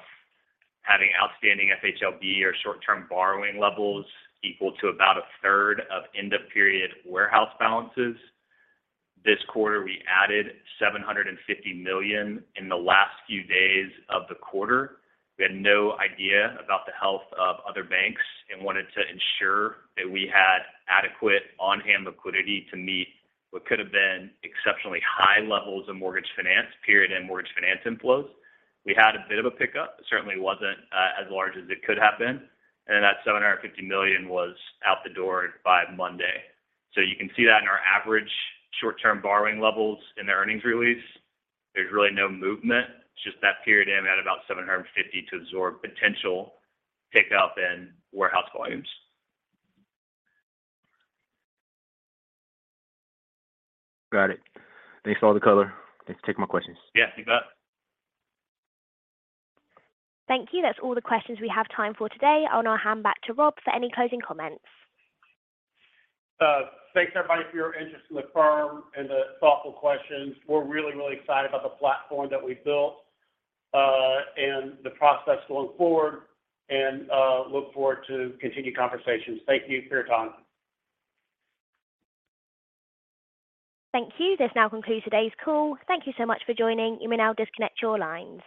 having outstanding FHLB or short-term borrowing levels equal to about a third of end-of-period warehouse balances. This quarter, we added $750 million in the last few days of the quarter. We had no idea about the health of other banks and wanted to ensure that we had adequate on-hand liquidity to meet what could have been exceptionally high levels of mortgage finance, period and mortgage finance inflows. We had a bit of a pickup. It certainly wasn't as large as it could have been, and that $750 million was out the door by Monday. You can see that in our average short-term borrowing levels in the earnings release. There's really no movement. It's just that period end at about $750 to absorb potential pickup in warehouse volumes. Got it. Thanks for all the color. Thanks. Take my questions. Yeah. You bet. Thank you. That's all the questions we have time for today. I'll now hand back to Rob for any closing comments. Thanks, everybody, for your interest in the firm and the thoughtful questions. We're really, really excited about the platform that we've built, and the process going forward and, look forward to continued conversations. Thank you for your time. Thank you. This now concludes today's call. Thank you so much for joining. You may now disconnect your lines.